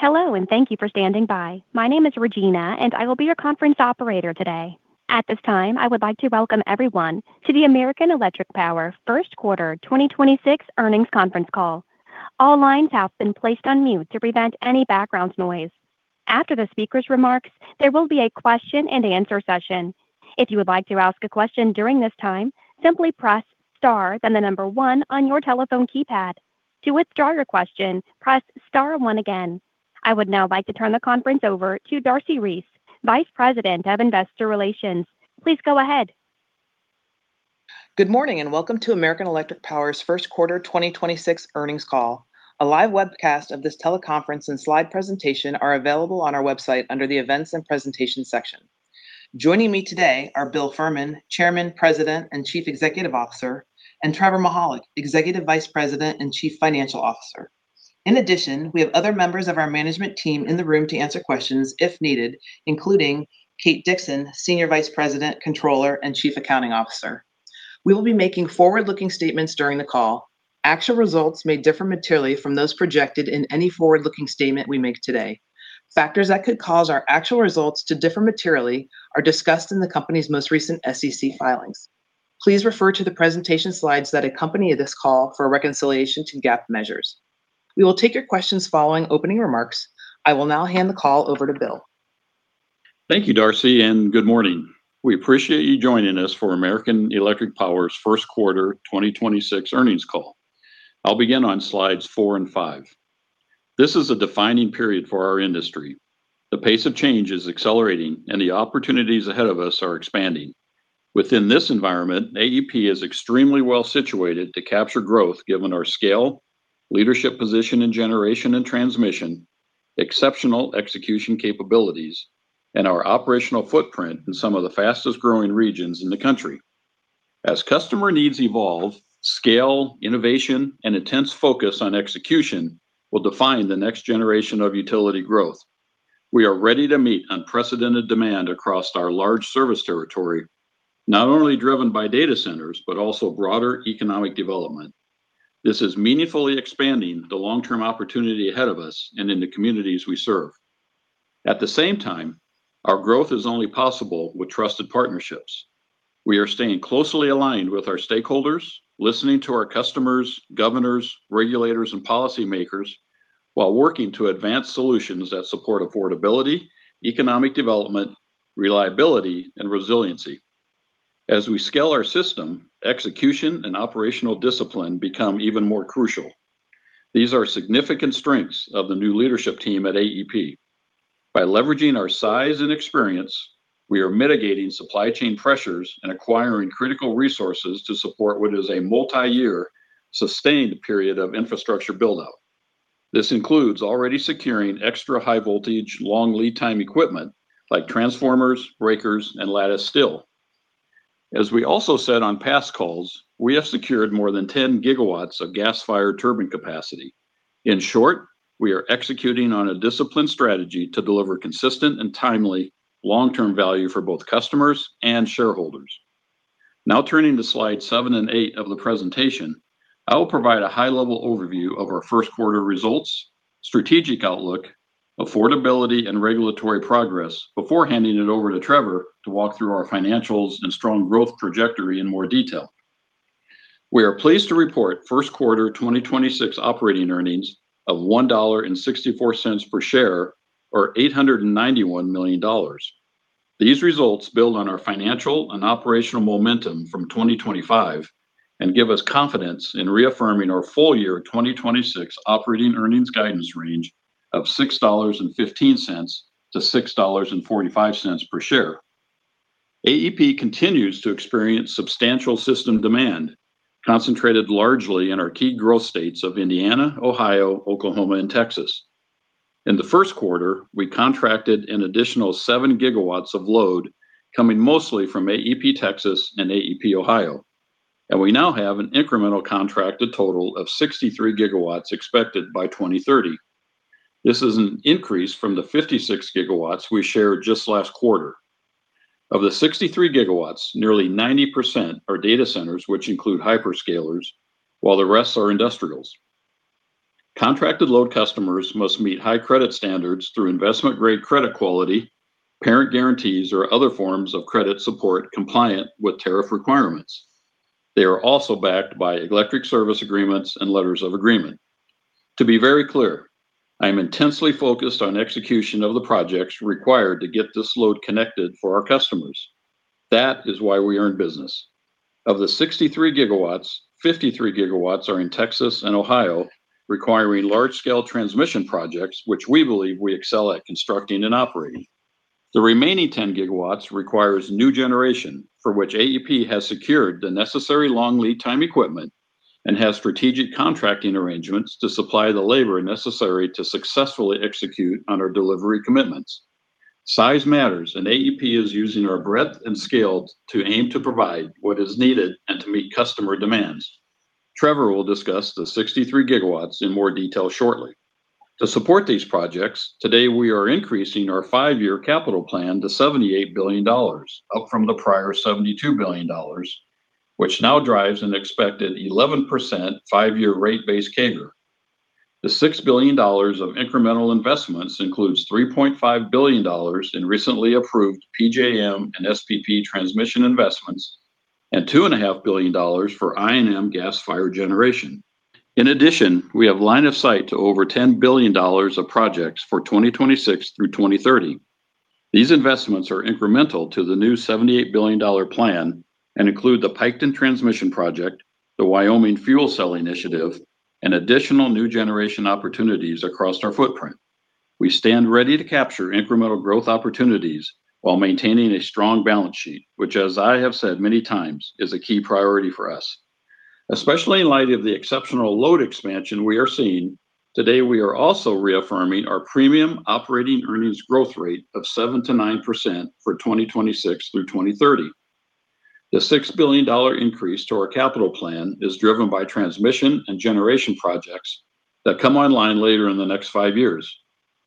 Hello, and thank you for standing by. My name is Regina, and I will be your conference operator today. At this time, I would like to welcome everyone to the American Electric Power 1st Quarter 2026 Earnings Conference Call. All lines have been placed on mute to prevent any background noise. After the speaker's remarks, there will be a question and answer session. If you would like to ask a question during this time, simply press star then one on your telephone keypad. To withdraw your question, press star one again. I would now like to turn the conference over to Darcy Reese, Vice President of Investor Relations. Please go ahead. Good morning, and welcome to American Electric Power's 1st quarter 2026 earnings call. A live webcast of this teleconference and slide presentation are available on our website under the Events and Presentation section. Joining me today are Bill Fehrman, Chairman, President, and Chief Executive Officer, and Trevor Mihalik, Executive Vice President and Chief Financial Officer. In addition, we have other members of our management team in the room to answer questions if needed, including Kate Dixon, Senior Vice President, Controller, and Chief Accounting Officer. We will be making forward-looking statements during the call. Actual results may differ materially from those projected in any forward-looking statement we make today. Factors that could cause our actual results to differ materially are discussed in the company's most recent SEC filings. Please refer to the presentation slides that accompany this call for a reconciliation to GAAP measures. We will take your questions following opening remarks. I will now hand the call over to Bill. Thank you, Darcy, and good morning. We appreciate you joining us for American Electric Power's 1st quarter 2026 earnings call. I'll begin on slides four and five. This is a defining period for our industry. The pace of change is accelerating, and the opportunities ahead of us are expanding. Within this environment, AEP is extremely well-situated to capture growth given our scale, leadership position in generation and transmission, exceptional execution capabilities, and our operational footprint in some of the fastest-growing regions in the country. As customer needs evolve, scale, innovation, and intense focus on execution will define the next generation of utility growth. We are ready to meet unprecedented demand across our large service territory, not only driven by data centers, but also broader economic development. This is meaningfully expanding the long-term opportunity ahead of us and in the communities we serve. At the same time, our growth is only possible with trusted partnerships. We are staying closely aligned with our stakeholders, listening to our customers, governors, regulators, and policymakers while working to advance solutions that support affordability, economic development, reliability, and resiliency. As we scale our system, execution and operational discipline become even more crucial. These are significant strengths of the new leadership team at AEP. By leveraging our size and experience, we are mitigating supply chain pressures and acquiring critical resources to support what is a multi-year sustained period of infrastructure build-out. This includes already securing extra high voltage, long lead time equipment like transformers, breakers, and lattice steel. As we also said on past calls, we have secured more than 10 GW of gas-fired turbine capacity. In short, we are executing on a disciplined strategy to deliver consistent and timely long-term value for both customers and shareholders. Turning to slide seven and eight of the presentation, I will provide a high-level overview of our 1st quarter results, strategic outlook, affordability, and regulatory progress before handing it over to Trevor to walk through our financials and strong growth trajectory in more detail. We are pleased to report 1st quarter 2026 operating earnings of $1.64 per share or $891 million. These results build on our financial and operational momentum from 2025 and give us confidence in reaffirming our full year 2026 operating earnings guidance range of $6.15-$6.45 per share. AEP continues to experience substantial system demand, concentrated largely in our key growth states of Indiana, Ohio, Oklahoma, and Texas. In the 1st quarter, we contracted an additional 7 GW of load coming mostly from AEP Texas and AEP Ohio. We now have an incremental contracted total of 63 GW expected by 2030. This is an increase from the 56 GW we shared just last quarter. Of the 63 GW, nearly 90% are data centers which include hyperscalers, while the rest are industrials. Contracted load customers must meet high credit standards through investment-grade credit quality, parent guarantees, or other forms of credit support compliant with tariff requirements. They are also backed by Electric Service Agreements and Letters of Agency. To be very clear, I am intensely focused on execution of the projects required to get this load connected for our customers. That is why we are in business. Of the 63 GW, 53 GW are in Texas and Ohio, requiring large-scale transmission projects which we believe we excel at constructing and operating. The remaining 10 GW requires new generation for which AEP has secured the necessary long lead time equipment and has strategic contracting arrangements to supply the labor necessary to successfully execute on our delivery commitments. Size matters. AEP is using our breadth and scale to aim to provide what is needed and to meet customer demands. Trevor will discuss the 63 GW in more detail shortly. To support these projects, today we are increasing our five-year capital plan to $78 billion, up from the prior $72 billion, which now drives an expected 11% five-year rate base CAGR. The $6 billion of incremental investments includes $3.5 billion in recently approved PJM and SPP transmission investments and two and a half billion dollars for I&M gas-fired generation. In addition, we have line of sight to over $10 billion of projects for 2026 through 2030. These investments are incremental to the new $78 billion plan and include the Piketon Transmission Project, the Wyoming Fuel Cell Initiative, and additional new generation opportunities across our footprint. We stand ready to capture incremental growth opportunities while maintaining a strong balance sheet, which as I have said many times, is a key priority for us. Especially in light of the exceptional load expansion we are seeing, today we are also reaffirming our premium operating earnings growth rate of 7%-9% for 2026 through 2030. The $6 billion increase to our capital plan is driven by transmission and generation projects that come online later in the next five years.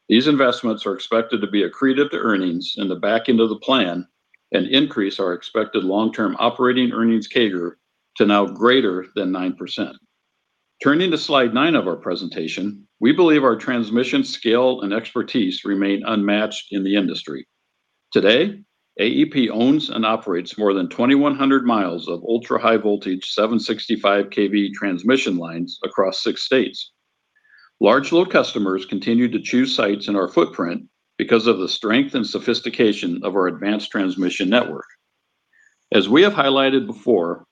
These investments are expected to be accretive to earnings in the back end of the plan and increase our expected long-term operating earnings CAGR to now greater than 9%. Turning to slide nine of our presentation, we believe our transmission scale and expertise remain unmatched in the industry. Today, AEP owns and operates more than 2,100 miles of ultra-high voltage 765 kV transmission lines across six states. Large load customers continue to choose sites in our footprint because of the strength and sophistication of our advanced transmission network. As we have highlighted before,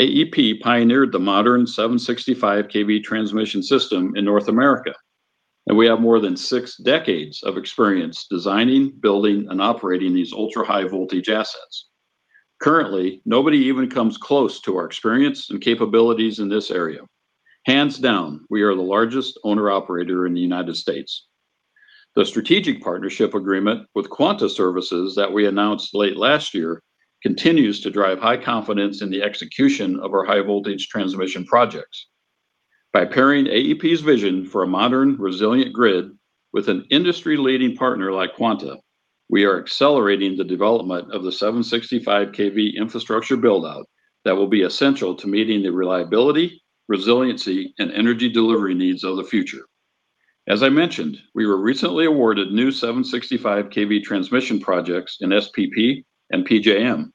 AEP pioneered the modern 765 kV transmission system in North America, and we have more than six decades of experience designing, building and operating these ultra-high voltage assets. Currently, nobody even comes close to our experience and capabilities in this area. Hands down, we are the largest owner operator in the U.S. The strategic partnership agreement with Quanta Services that we announced late last year continues to drive high confidence in the execution of our high voltage transmission projects. By pairing AEP's vision for a modern resilient grid with an industry-leading partner like Quanta, we are accelerating the development of the 765 kV infrastructure build-out that will be essential to meeting the reliability, resiliency and energy delivery needs of the future. As I mentioned, we were recently awarded new 765 kV transmission projects in SPP and PJM.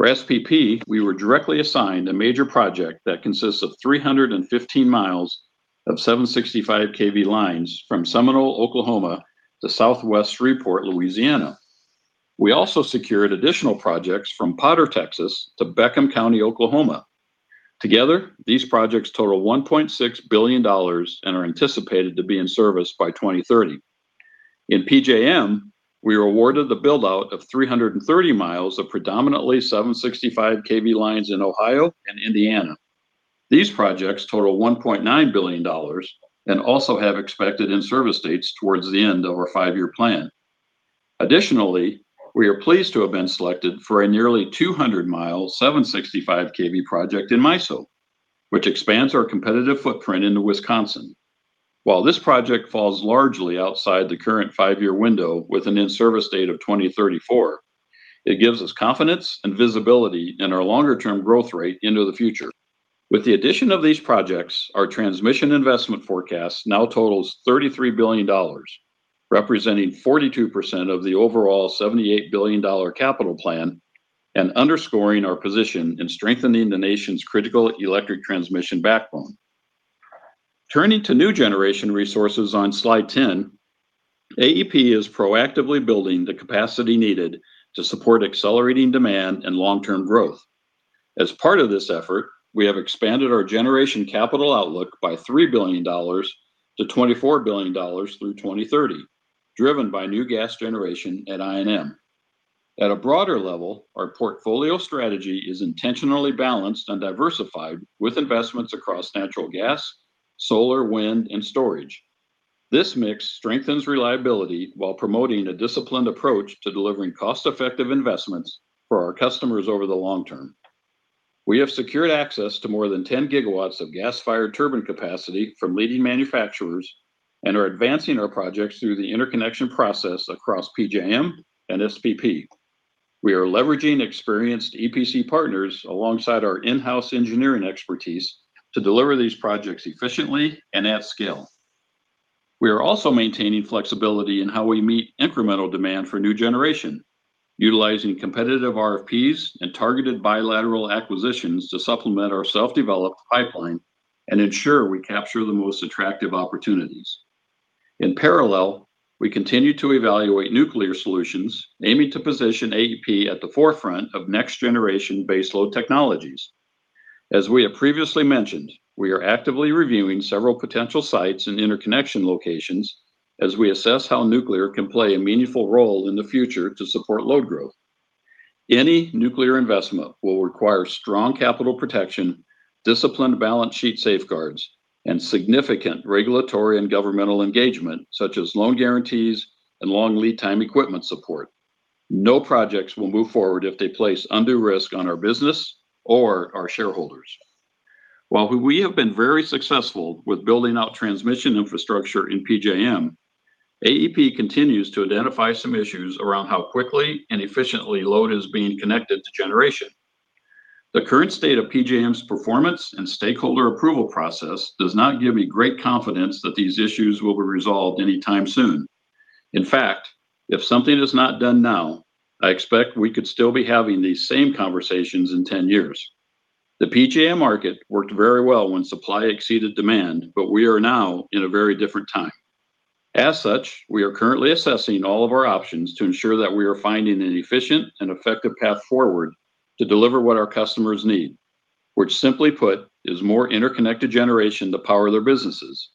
For SPP, we were directly assigned a major project that consists of 315 miles of 765 kV lines from Seminole, Oklahoma, to Southwest Shreveport, Louisiana. We also secured additional projects from Potter, Texas, to Beckham County, Oklahoma. Together, these projects total $1.6 billion and are anticipated to be in service by 2030. In PJM, we were awarded the build-out of 330 miles of predominantly 765 kV lines in Ohio and Indiana. These projects total $1.9 billion and also have expected in-service dates towards the end of our five-year plan. Additionally, we are pleased to have been selected for a nearly 200-mile 765 kV project in MISO, which expands our competitive footprint into Wisconsin. While this project falls largely outside the current five-year window with an in-service date of 2034, it gives us confidence and visibility in our longer term growth rate into the future. With the addition of these projects, our transmission investment forecast now totals $33 billion, representing 42% of the overall $78 billion capital plan and underscoring our position in strengthening the nation's critical electric transmission backbone. Turning to new generation resources on slide 10, AEP is proactively building the capacity needed to support accelerating demand and long-term growth. As part of this effort, we have expanded our generation capital outlook by $3 billion to $24 billion through 2030, driven by new gas generation at I&M. At a broader level, our portfolio strategy is intentionally balanced and diversified with investments across natural gas, solar, wind and storage. This mix strengthens reliability while promoting a disciplined approach to delivering cost-effective investments for our customers over the long term. We have secured access to more than 10 GW of gas-fired turbine capacity from leading manufacturers and are advancing our projects through the interconnection process across PJM and SPP. We are leveraging experienced EPC partners alongside our in-house engineering expertise to deliver these projects efficiently and at scale. We are also maintaining flexibility in how we meet incremental demand for new generation, utilizing competitive RFPs and targeted bilateral acquisitions to supplement our self-developed pipeline and ensure we capture the most attractive opportunities. In parallel, we continue to evaluate nuclear solutions, aiming to position AEP at the forefront of next generation baseload technologies. As we have previously mentioned, we are actively reviewing several potential sites and interconnection locations as we assess how nuclear can play a meaningful role in the future to support load growth. Any nuclear investment will require strong capital protection, disciplined balance sheet safeguards, and significant regulatory and governmental engagement, such as loan guarantees and long lead time equipment support. No projects will move forward if they place undue risk on our business or our shareholders. While we have been very successful with building out transmission infrastructure in PJM, AEP continues to identify some issues around how quickly and efficiently load is being connected to generation. The current state of PJM's performance and stakeholder approval process does not give me great confidence that these issues will be resolved anytime soon. In fact, if something is not done now, I expect we could still be having these same conversations in 10 years. The PJM market worked very well when supply exceeded demand, we are now in a very different time. As such, we are currently assessing all of our options to ensure that we are finding an efficient and effective path forward to deliver what our customers need, which simply put, is more interconnected generation to power their businesses.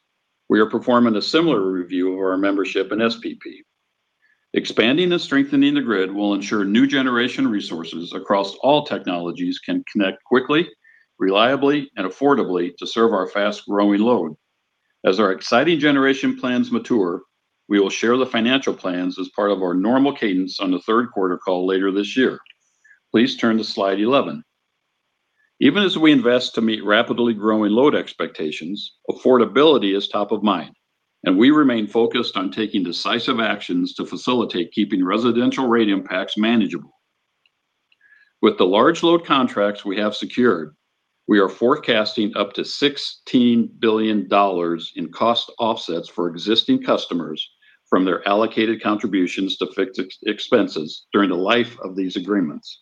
We are performing a similar review of our membership in SPP. Expanding and strengthening the grid will ensure new generation resources across all technologies can connect quickly, reliably, and affordably to serve our fast-growing load. As our exciting generation plans mature, we will share the financial plans as part of our normal cadence on the 3rd quarter call later this year. Please turn to slide 11. Even as we invest to meet rapidly growing load expectations, affordability is top of mind, and we remain focused on taking decisive actions to facilitate keeping residential rate impacts manageable. With the large load contracts we have secured, we are forecasting up to $16 billion in cost offsets for existing customers from their allocated contributions to fixed ex-expenses during the life of these agreements.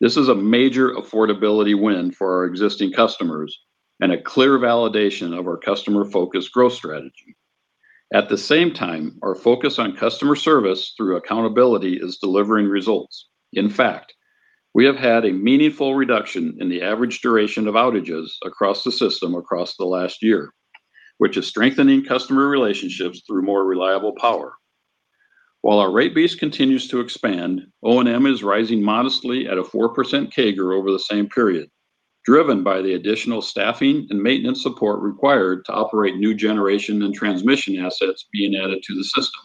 This is a major affordability win for our existing customers and a clear validation of our customer-focused growth strategy. At the same time, our focus on customer service through accountability is delivering results. In fact, we have had a meaningful reduction in the average duration of outages across the system across the last year, which is strengthening customer relationships through more reliable power. While our rate base continues to expand, O&M is rising modestly at a 4% CAGR over the same period, driven by the additional staffing and maintenance support required to operate new generation and transmission assets being added to the system.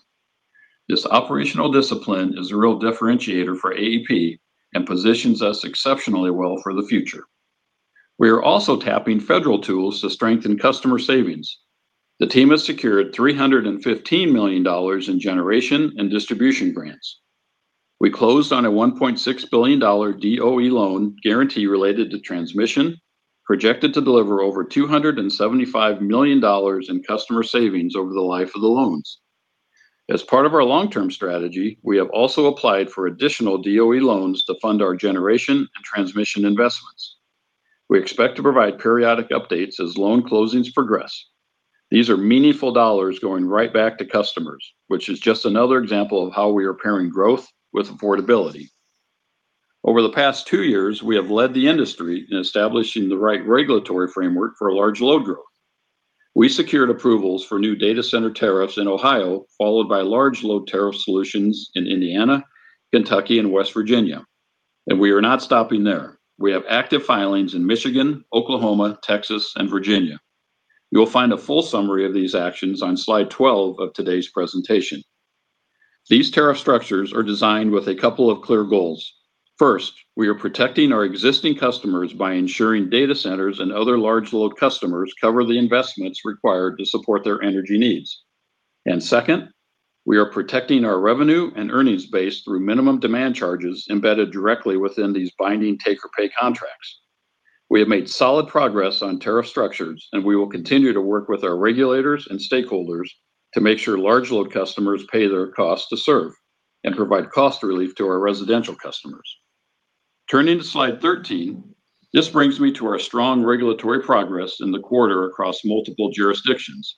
This operational discipline is a real differentiator for AEP and positions us exceptionally well for the future. We are also tapping federal tools to strengthen customer savings. The team has secured $315 million in generation and distribution grants. We closed on a $1.6 billion DOE loan guarantee related to transmission, projected to deliver over $275 million in customer savings over the life of the loans. As part of our long-term strategy, we have also applied for additional DOE loans to fund our generation and transmission investments. We expect to provide periodic updates as loan closings progress. These are meaningful dollars going right back to customers, which is just another example of how we are pairing growth with affordability. Over the past two years, we have led the industry in establishing the right regulatory framework for a large load growth. We secured approvals for new data center tariffs in Ohio, followed by large load tariff solutions in Indiana, Kentucky, and West Virginia. We are not stopping there. We have active filings in Michigan, Oklahoma, Texas, and Virginia. You'll find a full summary of these actions on slide 12 of today's presentation. These tariff structures are designed with a couple of clear goals. 1st, we are protecting our existing customers by ensuring data centers and other large load customers cover the investments required to support their energy needs. 2nd, we are protecting our revenue and earnings base through minimum demand charges embedded directly within these binding take or pay contracts. We have made solid progress on tariff structures, and we will continue to work with our regulators and stakeholders to make sure large load customers pay their cost to serve and provide cost relief to our residential customers. Turning to slide 13, this brings me to our strong regulatory progress in the quarter across multiple jurisdictions.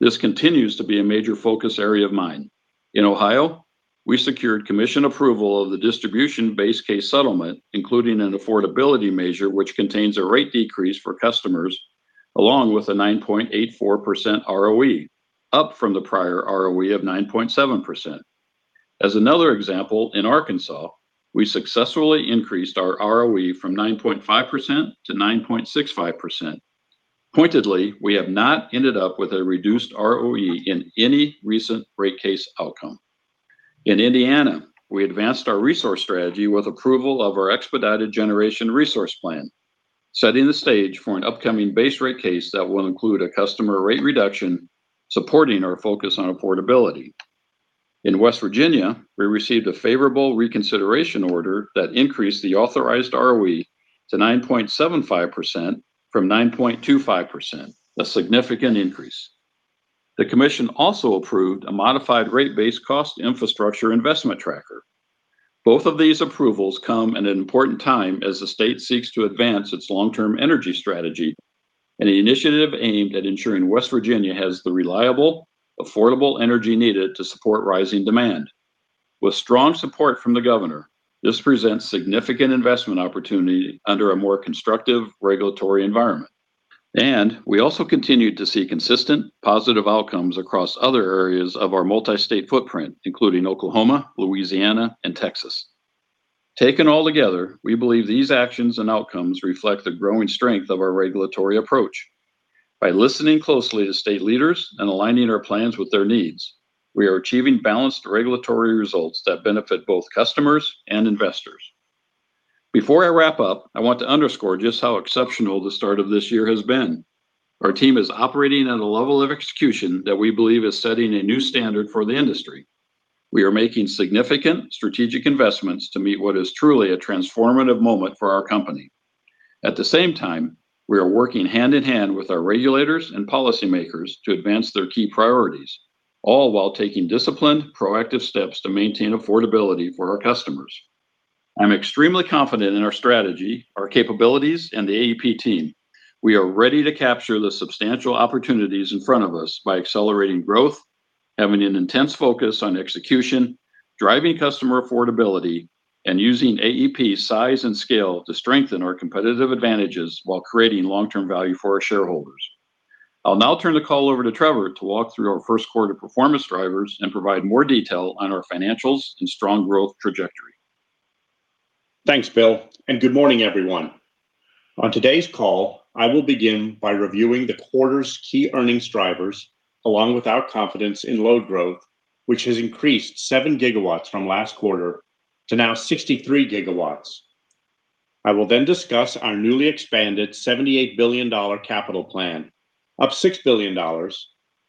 This continues to be a major focus area of mine. In Ohio, we secured commission approval of the distribution base case settlement, including an affordability measure, which contains a rate decrease for customers, along with a 9.84% ROE, up from the prior ROE of 9.7%. As another example, in Arkansas, we successfully increased our ROE from 9.5% to 9.65%. Pointedly, we have not ended up with a reduced ROE in any recent rate case outcome. In Indiana, we advanced our resource strategy with approval of our expedited generation resource plan, setting the stage for an upcoming base rate case that will include a customer rate reduction supporting our focus on affordability. In West Virginia, we received a favorable reconsideration order that increased the authorized ROE to 9.75% from 9.25%, a significant increase. The commission also approved a modified rate-based cost infrastructure investment tracker. Both of these approvals come at an important time as the state seeks to advance its long-term energy strategy, an initiative aimed at ensuring West Virginia has the reliable, affordable energy needed to support rising demand. With strong support from the governor, this presents significant investment opportunity under a more constructive regulatory environment. We also continued to see consistent positive outcomes across other areas of our multi-state footprint, including Oklahoma, Louisiana, and Texas. Taken all together, we believe these actions and outcomes reflect the growing strength of our regulatory approach. By listening closely to state leaders and aligning our plans with their needs, we are achieving balanced regulatory results that benefit both customers and investors. Before I wrap up, I want to underscore just how exceptional the start of this year has been. Our team is operating at a level of execution that we believe is setting a new standard for the industry. We are making significant strategic investments to meet what is truly a transformative moment for our company. At the same time, we are working hand in hand with our regulators and policymakers to advance their key priorities, all while taking disciplined, proactive steps to maintain affordability for our customers. I'm extremely confident in our strategy, our capabilities, and the AEP team. We are ready to capture the substantial opportunities in front of us by accelerating growth, having an intense focus on execution, driving customer affordability, and using AEP's size and scale to strengthen our competitive advantages while creating long-term value for our shareholders. I'll now turn the call over to Trevor to walk through our 1st quarter performance drivers and provide more detail on our financials and strong growth trajectory. Thanks, Bill, and good morning, everyone. On today's call, I will begin by reviewing the quarter's key earnings drivers, along with our confidence in load growth, which has increased 7 GW from last quarter to now 63 GW. I will then discuss our newly expanded $78 billion capital plan, up $6 billion,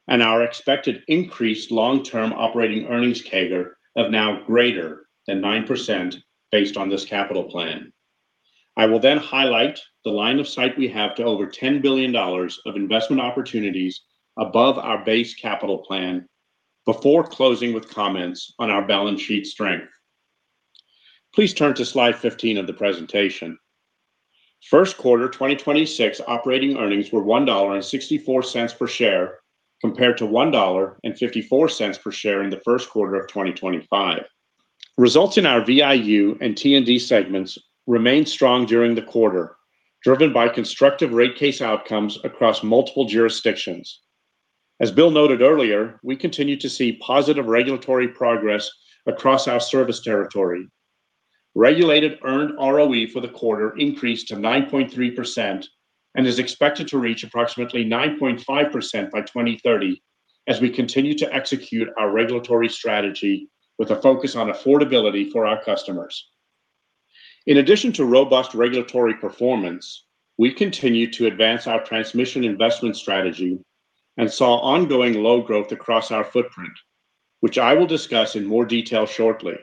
and our expected increased long-term operating earnings CAGR of now greater than 9% based on this capital plan. I will then highlight the line of sight we have to over $10 billion of investment opportunities above our base capital plan before closing with comments on our balance sheet strength. Please turn to slide 15 of the presentation. 1st quarter 2026 operating earnings were $1.64 per share, compared to $1.54 per share in the 1st quarter of 2025. Results in our VIU and T&D segments remained strong during the quarter, driven by constructive rate case outcomes across multiple jurisdictions. As Bill noted earlier, we continue to see positive regulatory progress across our service territory. Regulated earned ROE for the quarter increased to 9.3% and is expected to reach approximately 9.5% by 2030 as we continue to execute our regulatory strategy with a focus on affordability for our customers. In addition to robust regulatory performance, we continue to advance our transmission investment strategy and saw ongoing load growth across our footprint, which I will discuss in more detail shortly.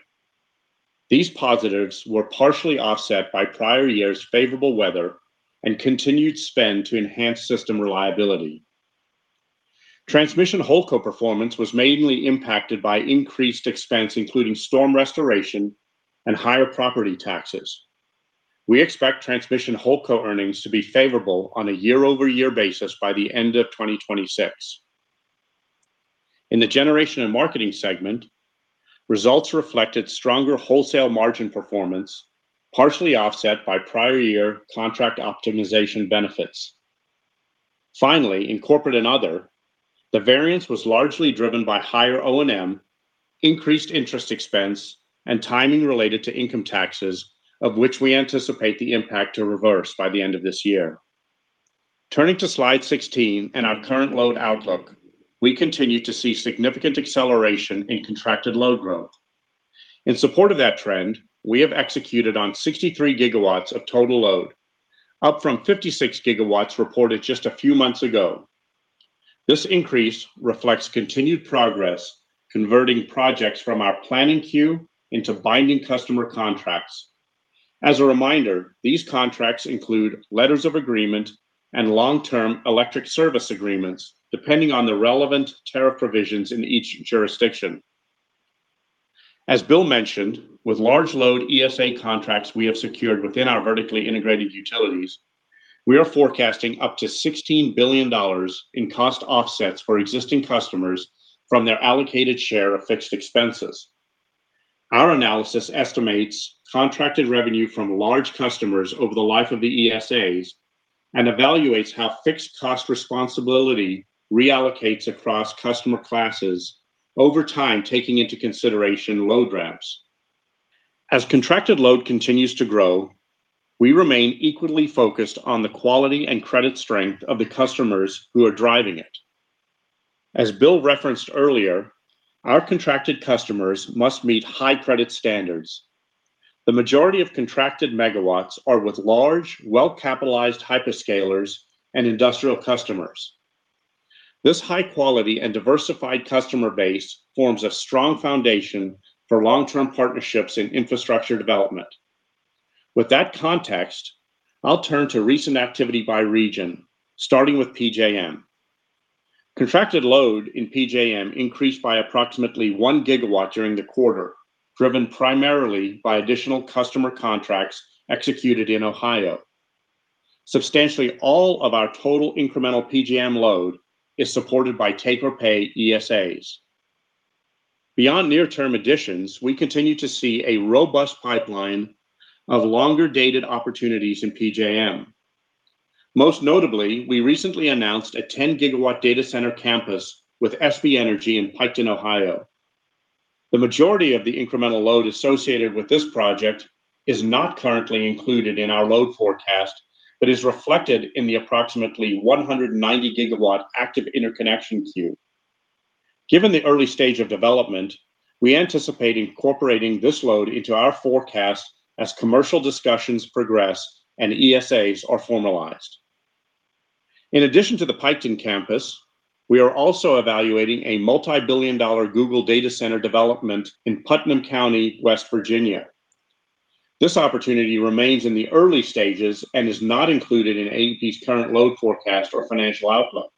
These positives were partially offset by prior years' favorable weather and continued spend to enhance system reliability. Transmission Holdco performance was mainly impacted by increased expense, including storm restoration and higher property taxes. We expect Transmission Holdco earnings to be favorable on a year-over-year basis by the end of 2026. In the generation and marketing segment, results reflected stronger wholesale margin performance, partially offset by prior year contract optimization benefits. Finally, in corporate and other, the variance was largely driven by higher O&M, increased interest expense, and timing related to income taxes, of which we anticipate the impact to reverse by the end of this year. Turning to slide 16 and our current load outlook, we continue to see significant acceleration in contracted load growth. In support of that trend, we have executed on 63 GW of total load, up from 56 GW reported just a few months ago. This increase reflects continued progress converting projects from our planning queue into binding customer contracts. As a reminder, these contracts include letters of agreement and long-term Electric Service Agreements, depending on the relevant tariff provisions in each jurisdiction. As Bill mentioned, with large load ESA contracts we have secured within our vertically integrated utilities, we are forecasting up to $16 billion in cost offsets for existing customers from their allocated share of fixed expenses. Our analysis estimates contracted revenue from large customers over the life of the ESAs and evaluates how fixed cost responsibility reallocates across customer classes over time, taking into consideration load ramps. As contracted load continues to grow, we remain equally focused on the quality and credit strength of the customers who are driving it. As Bill referenced earlier, our contracted customers must meet high credit standards. The majority of contracted megawatts are with large, well-capitalized hyperscalers and industrial customers. This high quality and diversified customer base forms a strong foundation for long-term partnerships in infrastructure development. With that context, I'll turn to recent activity by region, starting with PJM. Contracted load in PJM increased by approximately 1 gigawatt during the quarter, driven primarily by additional customer contracts executed in Ohio. Substantially all of our total incremental PJM load is supported by take or pay ESAs. Beyond near term additions, we continue to see a robust pipeline of longer-dated opportunities in PJM. Most notably, we recently announced a 10 GW data center campus with SB Energy in Piketon, Ohio. The majority of the incremental load associated with this project is not currently included in our load forecast, but is reflected in the approximately 190 GW active interconnection queue. Given the early stage of development, we anticipate incorporating this load into our forecast as commercial discussions progress and ESAs are formalized. In addition to the Piketon campus, we are also evaluating a multi-billion dollar Google data center development in Putnam County, West Virginia. This opportunity remains in the early stages and is not included in AEP's current load forecast or financial outlook.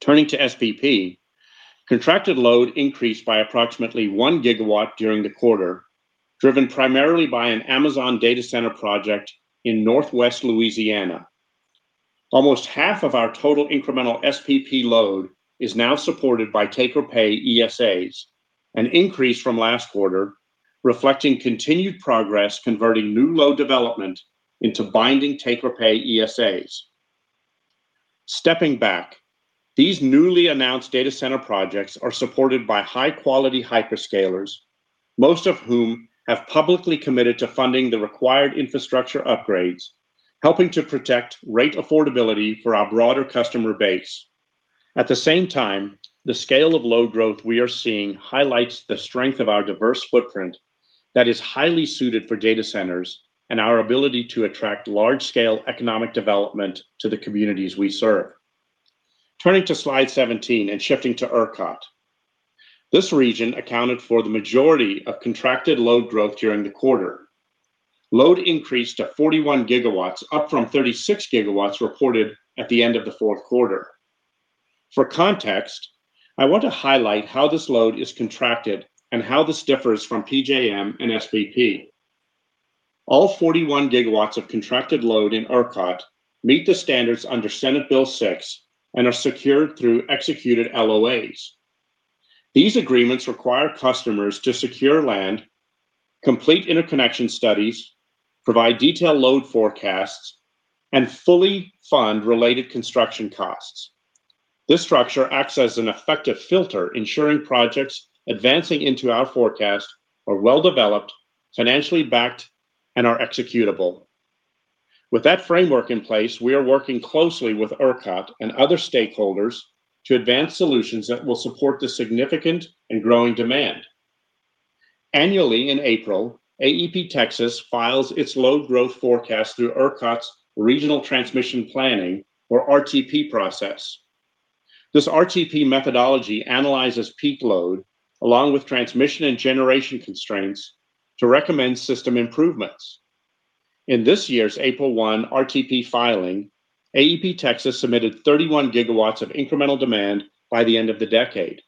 Turning to SPP, contracted load increased by approximately 1 GW during the quarter, driven primarily by an Amazon data center project in Northwest Louisiana. Almost half of our total incremental SPP load is now supported by take-or-pay ESAs, an increase from last quarter, reflecting continued progress converting new load development into binding take-or-pay ESAs. Stepping back, these newly announced data center projects are supported by high-quality hyperscalers, most of whom have publicly committed to funding the required infrastructure upgrades, helping to protect rate affordability for our broader customer base. At the same time, the scale of load growth we are seeing highlights the strength of our diverse footprint that is highly suited for data centers and our ability to attract large-scale economic development to the communities we serve. Turning to slide 17 and shifting to ERCOT. This region accounted for the majority of contracted load growth during the quarter. Load increased to 41 GW, up from 36 GW reported at the end of the fourth quarter. For context, I want to highlight how this load is contracted and how this differs from PJM and SPP. All 41 GW of contracted load in ERCOT meet the standards under Senate Bill 6 and are secured through executed LOAs. These agreements require customers to secure land, complete interconnection studies, provide detailed load forecasts, and fully fund related construction costs. This structure acts as an effective filter, ensuring projects advancing into our forecast are well-developed, financially backed, and are executable. With that framework in place, we are working closely with ERCOT and other stakeholders to advance solutions that will support the significant and growing demand. Annually in April, AEP Texas files its load growth forecast through ERCOT's Regional Transmission Planning or RTP process. This RTP methodology analyzes peak load along with transmission and generation constraints to recommend system improvements. In this year's April 1 RTP filing, AEP Texas submitted 31 GW of incremental demand by the end of the decade.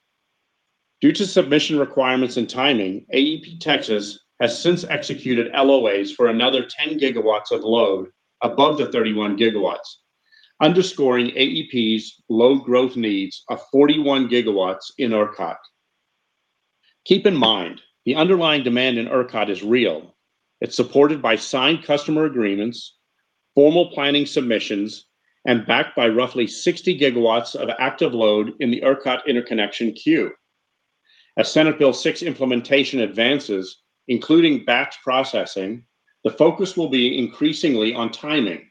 Due to submission requirements and timing, AEP Texas has since executed LOAs for another 10 GW of load above the 31 GW, underscoring AEP's load growth needs of 41 GW in ERCOT. Keep in mind, the underlying demand in ERCOT is real. It's supported by signed customer agreements, formal planning submissions, and backed by roughly 60 GW of active load in the ERCOT interconnection queue. As Senate Bill 6 implementation advances, including batch processing, the focus will be increasingly on timing.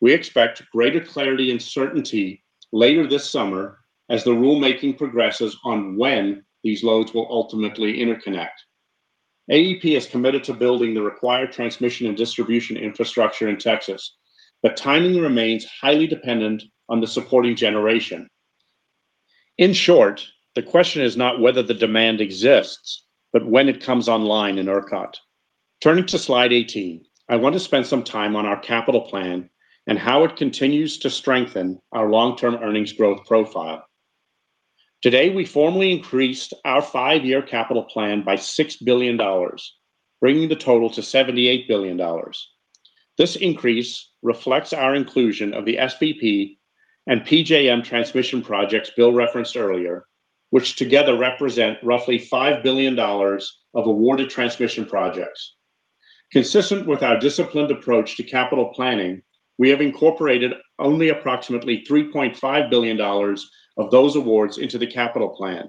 We expect greater clarity and certainty later this summer as the rulemaking progresses on when these loads will ultimately interconnect. AEP is committed to building the required transmission and distribution infrastructure in Texas, but timing remains highly dependent on the supporting generation. In short, the question is not whether the demand exists, but when it comes online in ERCOT. Turning to slide 18, I want to spend some time on our capital plan and how it continues to strengthen our long-term earnings growth profile. Today, we formally increased our five-year capital plan by $6 billion, bringing the total to $78 billion. This increase reflects our inclusion of the SPP and PJM transmission projects Bill referenced earlier, which together represent roughly $5 billion of awarded transmission projects. Consistent with our disciplined approach to capital planning, we have incorporated only approximately $3.5 billion of those awards into the capital plan.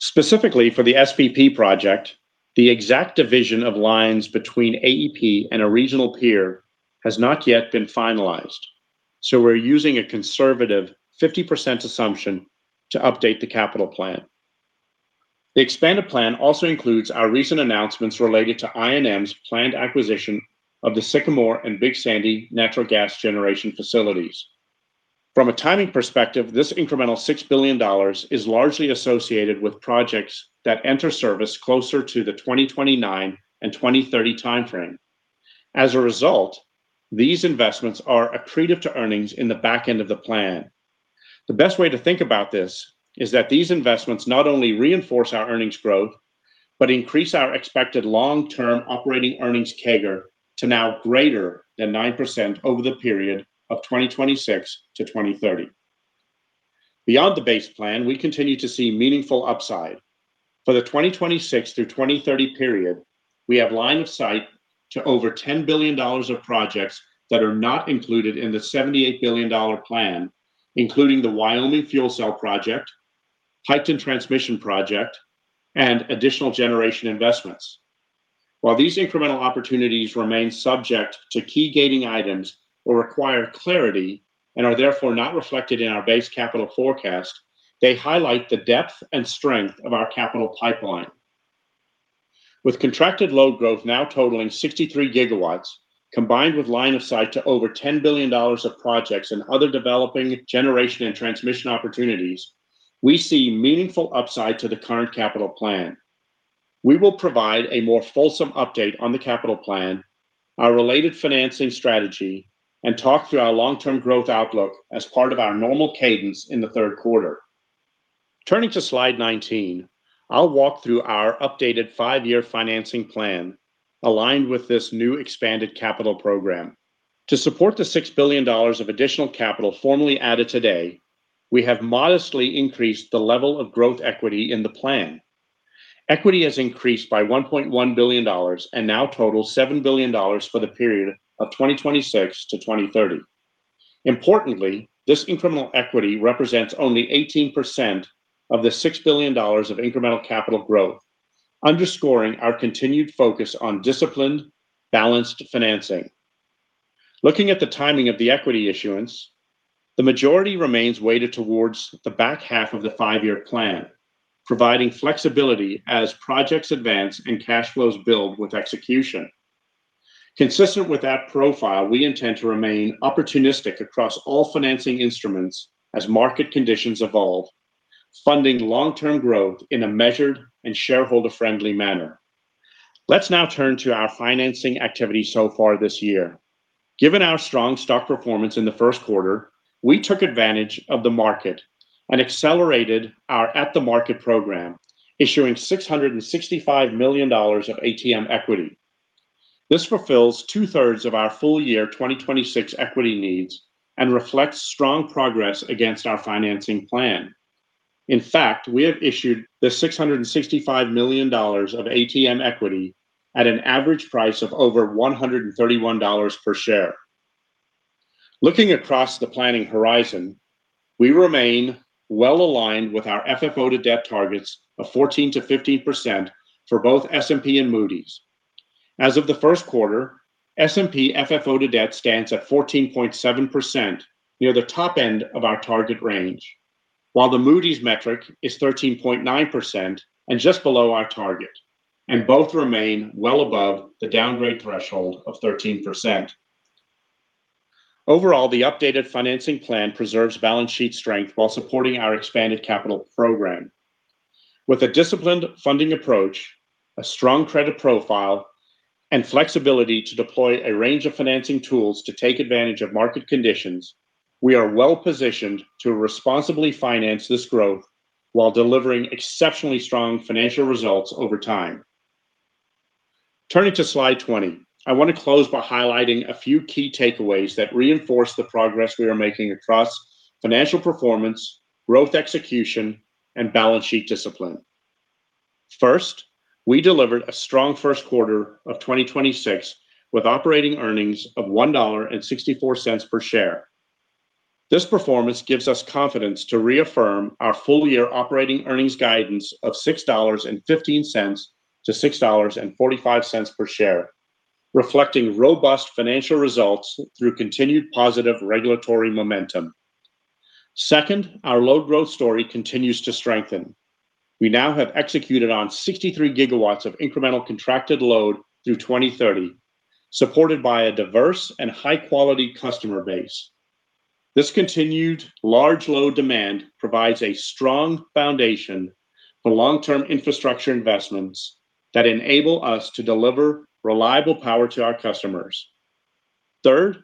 Specifically for the SPP project, the exact division of lines between AEP and a regional peer has not yet been finalized, we're using a conservative 50% assumption to update the capital plan. The expanded plan also includes our recent announcements related to I&M's planned acquisition of the Sycamore and Big Sandy natural gas generation facilities. From a timing perspective, this incremental $6 billion is largely associated with projects that enter service closer to the 2029 and 2030 timeframe. As a result, these investments are accretive to earnings in the back end of the plan. The best way to think about this is that these investments not only reinforce our earnings growth, but increase our expected long-term operating earnings CAGR to now greater than 9% over the period of 2026 to 2030. Beyond the base plan, we continue to see meaningful upside. For the 2026 through 2030 period, we have line of sight to over $10 billion of projects that are not included in the $78 billion plan, including the Wyoming Fuel Cell Project, Piketon Transmission Project, and additional generation investments. While these incremental opportunities remain subject to key gating items or require clarity and are therefore not reflected in our base capital forecast, they highlight the depth and strength of our capital pipeline. With contracted load growth now totaling 63 GW, combined with line of sight to over $10 billion of projects and other developing generation and transmission opportunities, we see meaningful upside to the current capital plan. We will provide a more fulsome update on the capital plan, our related financing strategy, and talk through our long-term growth outlook as part of our normal cadence in the 3rd quarter. Turning to Slide 19, I'll walk through our updated five-year financing plan aligned with this new expanded capital program. To support the $6 billion of additional capital formally added today, we have modestly increased the level of growth equity in the plan. Equity has increased by $1.1 billion and now totals $7 billion for the period of 2026 to 2030. Importantly, this incremental equity represents only 18% of the $6 billion of incremental capital growth, underscoring our continued focus on disciplined, balanced financing. Looking at the timing of the equity issuance, the majority remains weighted towards the back half of the five-year plan, providing flexibility as projects advance and cash flows build with execution. Consistent with that profile, we intend to remain opportunistic across all financing instruments as market conditions evolve, funding long-term growth in a measured and shareholder-friendly manner. Let's now turn to our financing activity so far this year. Given our strong stock performance in the 1st quarter, we took advantage of the market and accelerated our at-the-market program, issuing $665 million of ATM equity. This fulfills two-3rds of our full year 2026 equity needs and reflects strong progress against our financing plan. In fact, we have issued the $665 million of ATM equity at an average price of over $131 per share. Looking across the planning horizon, we remain well-aligned with our FFO to debt targets of 14%-15% for both S&P and Moody's. As of the 1st quarter, S&P FFO to debt stands at 14.7%, near the top end of our target range, while the Moody's metric is 13.9% and just below our target, and both remain well above the downgrade threshold of 13%. Overall, the updated financing plan preserves balance sheet strength while supporting our expanded capital program. With a disciplined funding approach, a strong credit profile, and flexibility to deploy a range of financing tools to take advantage of market conditions, we are well-positioned to responsibly finance this growth while delivering exceptionally strong financial results over time. Turning to Slide 20, I want to close by highlighting a few key takeaways that reinforce the progress we are making across financial performance, growth execution, and balance sheet discipline. 1st, we delivered a strong 1st quarter of 2026 with operating earnings of $1.64 per share. This performance gives us confidence to reaffirm our full-year operating earnings guidance of $6.15 to $6.45 per share, reflecting robust financial results through continued positive regulatory momentum. 2nd, our load growth story continues to strengthen. We now have executed on 63 GW of incremental contracted load through 2030, supported by a diverse and high-quality customer base. This continued large load demand provides a strong foundation for long-term infrastructure investments that enable us to deliver reliable power to our customers. 3rd,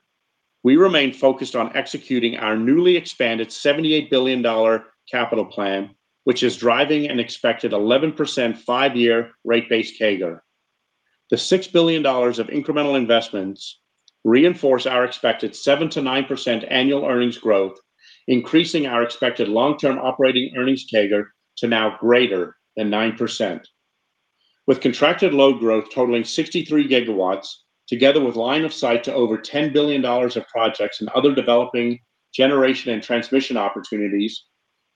we remain focused on executing our newly expanded $78 billion capital plan, which is driving an expected 11% five-year rate base CAGR. The $6 billion of incremental investments reinforce our expected 7%-9% annual earnings growth, increasing our expected long-term operating earnings CAGR to now greater than 9%. With contracted load growth totaling 63 GW, together with line of sight to over $10 billion of projects and other developing generation and transmission opportunities,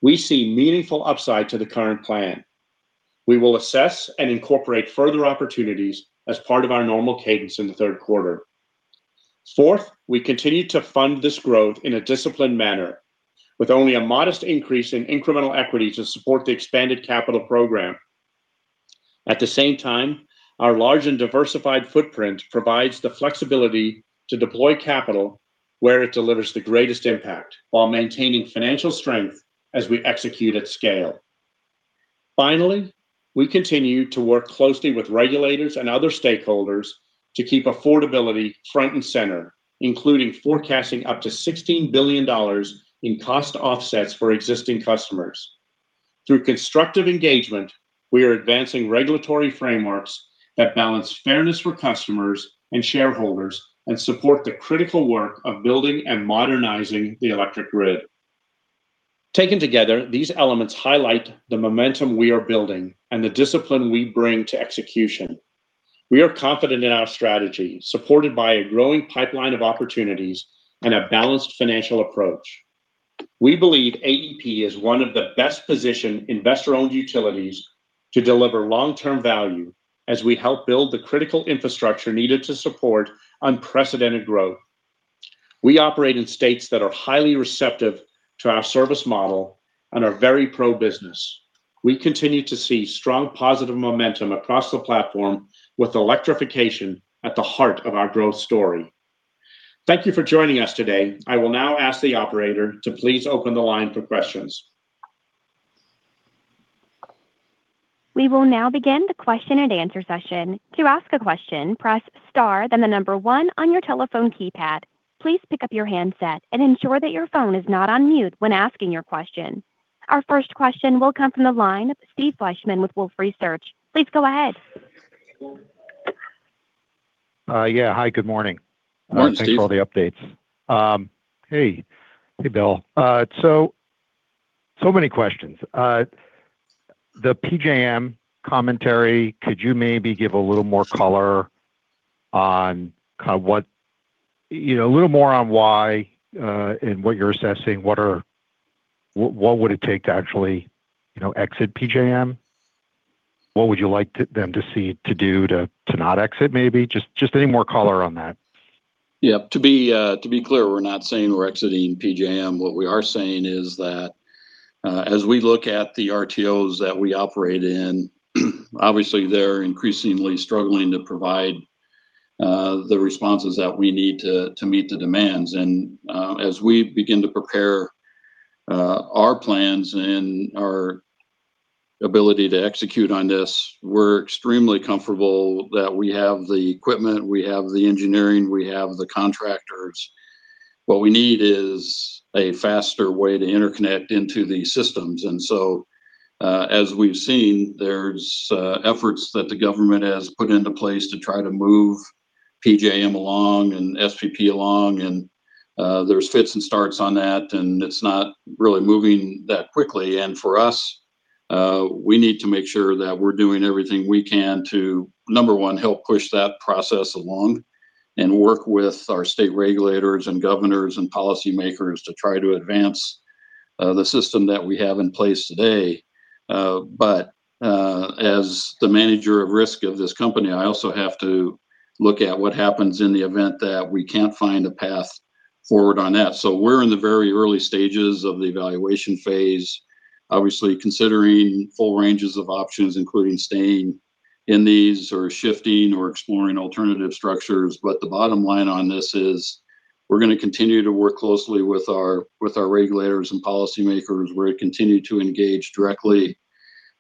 we see meaningful upside to the current plan. We will assess and incorporate further opportunities as part of our normal cadence in the 3rd quarter. Fourth, we continue to fund this growth in a disciplined manner, with only a modest increase in incremental equity to support the expanded capital program. At the same time, our large and diversified footprint provides the flexibility to deploy capital where it delivers the greatest impact while maintaining financial strength as we execute at scale. Finally, we continue to work closely with regulators and other stakeholders to keep affordability front and center, including forecasting up to $16 billion in cost offsets for existing customers. Through constructive engagement, we are advancing regulatory frameworks that balance fairness for customers and shareholders and support the critical work of building and modernizing the electric grid. Taken together, these elements highlight the momentum we are building and the discipline we bring to execution. We are confident in our strategy, supported by a growing pipeline of opportunities and a balanced financial approach. We believe AEP is one of the best-positioned investor-owned utilities to deliver long-term value as we help build the critical infrastructure needed to support unprecedented growth. We operate in states that are highly receptive to our service model and are very pro-business. We continue to see strong positive momentum across the platform, with electrification at the heart of our growth story. Thank you for joining us today. I will now ask the operator to please open the line for questions. We will now begin the question and answer session. To ask a question, press star, then the number one on your telephone keypad. Please pick up your handset and ensure that your phone is not on mute when asking your question. Our 1st question will come from the line of Steve Fleishman with Wolfe Research. Please go ahead. Yeah. Hi, good morning. Morning, Steve. Thanks for all the updates. Hey, Bill. So many questions. The PJM commentary, could you maybe give a little more color on kind of what you know, a little more on why, and what you're assessing, what would it take to actually, you know, exit PJM? What would you like them to see to do to not exit maybe? Just any more color on that. Yeah. To be clear, we're not saying we're exiting PJM. What we are saying is that, as we look at the RTOs that we operate in, obviously they're increasingly struggling to provide the responses that we need to meet the demands. As we begin to prepare our plans and our ability to execute on this, we're extremely comfortable that we have the equipment, we have the engineering, we have the contractors. What we need is a faster way to interconnect into the systems. As we've seen, there's efforts that the government has put into place to try to move PJM along and SPP along, and there's fits and starts on that, and it's not really moving that quickly. For us, we need to make sure that we're doing everything we can to, number one, help push that process along and work with our state regulators and governors and policymakers to try to advance the system that we have in place today. As the manager of risk of this company, I also have to look at what happens in the event that we can't find a path forward on that. We're in the very early stages of the evaluation phase. Obviously considering full ranges of options, including staying in these or shifting or exploring alternative structures. The bottom line on this is we're gonna continue to work closely with our, with our regulators and policymakers. We're gonna continue to engage directly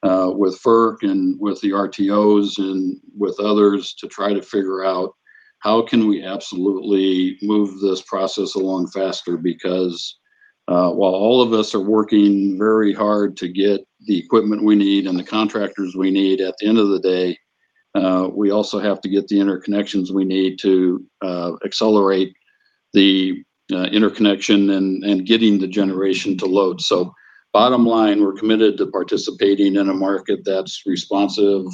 with FERC and with the RTOs and with others to try to figure out, how can we absolutely move this process along faster? Because, while all of us are working very hard to get the equipment we need and the contractors we need, at the end of the day, we also have to get the interconnections we need to accelerate the interconnection and getting the generation to load. Bottom line, we're committed to participating in a market that's responsive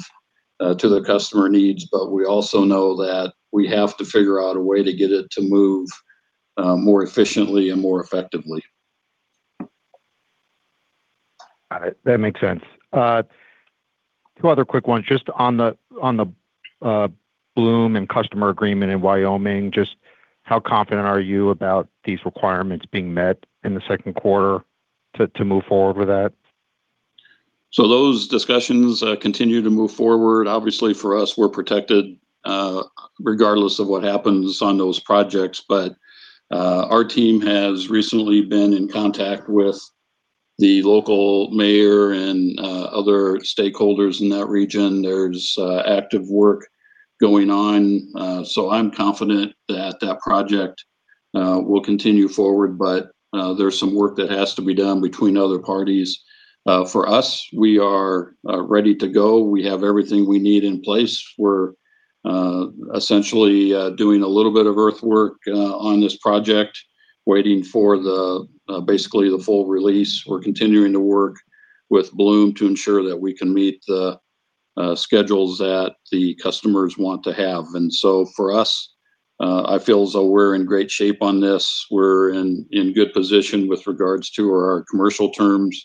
to the customer needs, but we also know that we have to figure out a way to get it to move more efficiently and more effectively. Got it. That makes sense. Two other quick ones. Just on the Bloom and customer agreement in Wyoming, just how confident are you about these requirements being met in the 2nd quarter to move forward with that? Those discussions continue to move forward. Obviously for us, we're protected regardless of what happens on those projects. Our team has recently been in contact with the local mayor and other stakeholders in that region. There's active work going on. I'm confident that that project will continue forward. There's some work that has to be done between other parties. For us, we are ready to go. We have everything we need in place. We're essentially doing a little bit of earthwork on this project, waiting for the basically the full release. We're continuing to work with Bloom to ensure that we can meet the schedules that the customers want to have. For us, I feel as though we're in great shape on this. We're in good position with regards to our commercial terms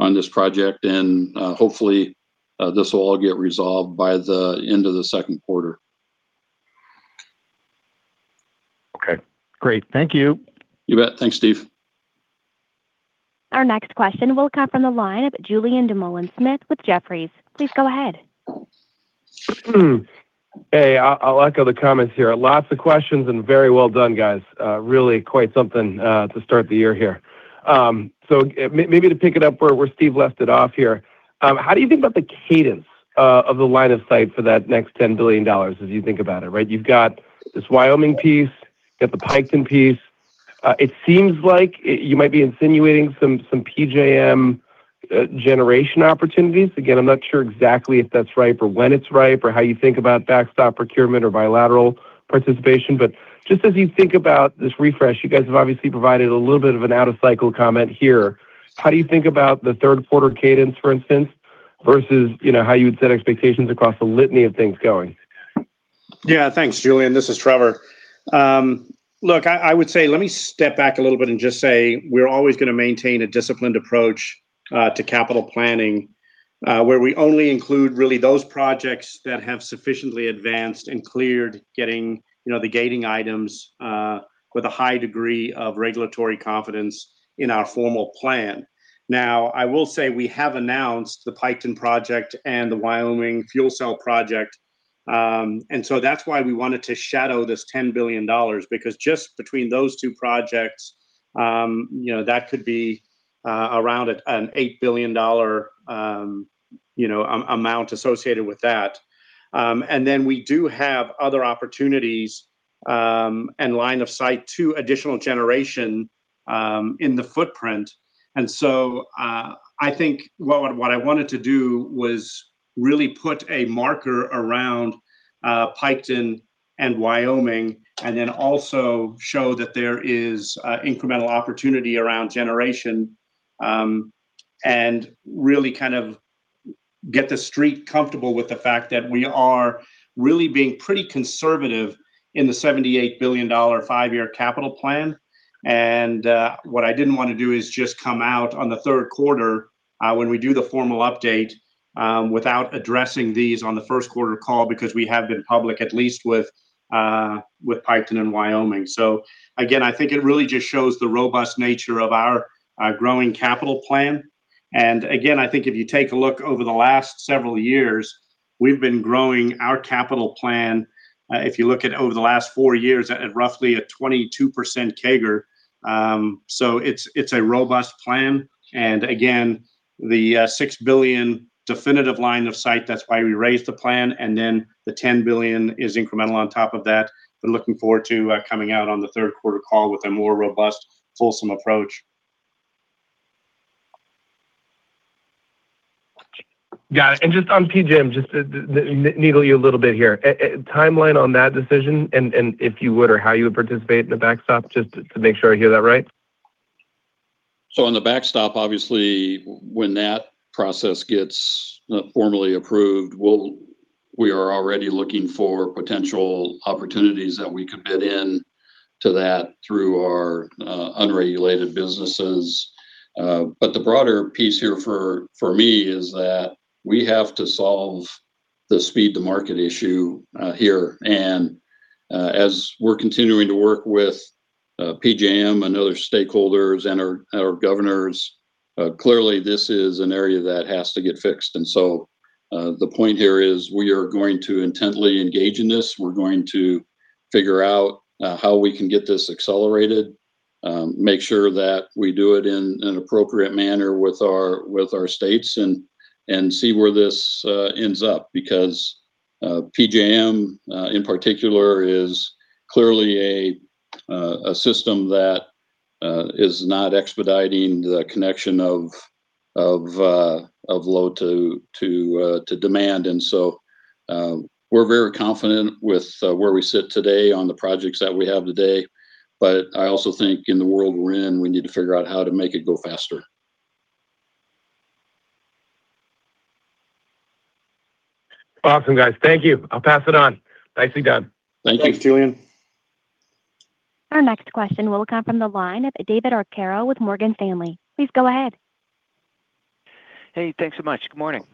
on this project, and hopefully this will all get resolved by the end of the 2nd quarter. Okay, great. Thank you. You bet. Thanks, Steve. Our next question will come from the line of Julien Dumoulin-Smith with Jefferies. Please go ahead. Hey, I'll echo the comments here. Lots of questions and very well done, guys. Really quite something to start the year here. Maybe to pick it up where Steve left it off here, how do you think about the cadence of the line of sight for that next $10 billion as you think about it, right? You've got this Wyoming piece, you've got the Piketon piece. It seems like you might be insinuating some PJM generation opportunities. I'm not sure exactly if that's right or when it's right or how you think about backstop procurement or bilateral participation, but just as you think about this refresh, you guys have obviously provided a little bit of an out-of-cycle comment here. How do you think about the 3rd quarter cadence, for instance, versus, you know, how you would set expectations across the litany of things going? Yeah, thanks, Julien. This is Trevor. Look, I would say, let me step back a little bit and just say we're always gonna maintain a disciplined approach to capital planning, where we only include really those projects that have sufficiently advanced and cleared getting, you know, the gating items, with a high degree of regulatory confidence in our formal plan. Now, I will say we have announced the Piketon project and the Wyoming fuel cell project. That's why we wanted to shadow this $10 billion because just between those two projects, you know, that could be around an $8 billion amount associated with that. We do have other opportunities and line of sight to additional generation in the footprint. I think what I wanted to do was really put a marker around Piketon and Wyoming and then also show that there is incremental opportunity around generation and really get the street comfortable with the fact that we are really being pretty conservative in the $78 billion five-year capital plan. What I didn't want to do is just come out on the 3rd quarter when we do the formal update without addressing these on the 1st quarter call because we have been public at least with Piketon and Wyoming. Again, I think it really just shows the robust nature of our growing capital plan. Again, I think if you take a look over the last several years, we've been growing our capital plan, if you look at over the last four years at roughly a 22% CAGR. It's a robust plan. Again, the $6 billion definitive line of sight, that's why we raised the plan and then the $10 billion is incremental on top of that. Looking forward to coming out on the 3rd quarter call with a more robust, fulsome approach. Got it. Just on PJM, just to needle you a little bit here. Timeline on that decision and if you would or how you would participate in the backstop, just to make sure I hear that right? On the backstop, obviously when that process gets formally approved, we are already looking for potential opportunities that we could fit in to that through our unregulated businesses. The broader piece here for me is that we have to solve the speed to market issue here. As we're continuing to work with PJM and other stakeholders and our governors, clearly this is an area that has to get fixed. The point here is we are going to intently engage in this. We're going to figure out how we can get this accelerated, make sure that we do it in an appropriate manner with our, with our states and see where this ends up because PJM in particular is clearly a system that is not expediting the connection of load to demand. We're very confident with where we sit today on the projects that we have today. I also think in the world we're in, we need to figure out how to make it go faster. Awesome, guys. Thank you. I'll pass it on. Nicely done. Thank you, Julien. Our next question will come from the line of David Arcaro with Morgan Stanley. Please go ahead. Hey, thanks so much. Good morning.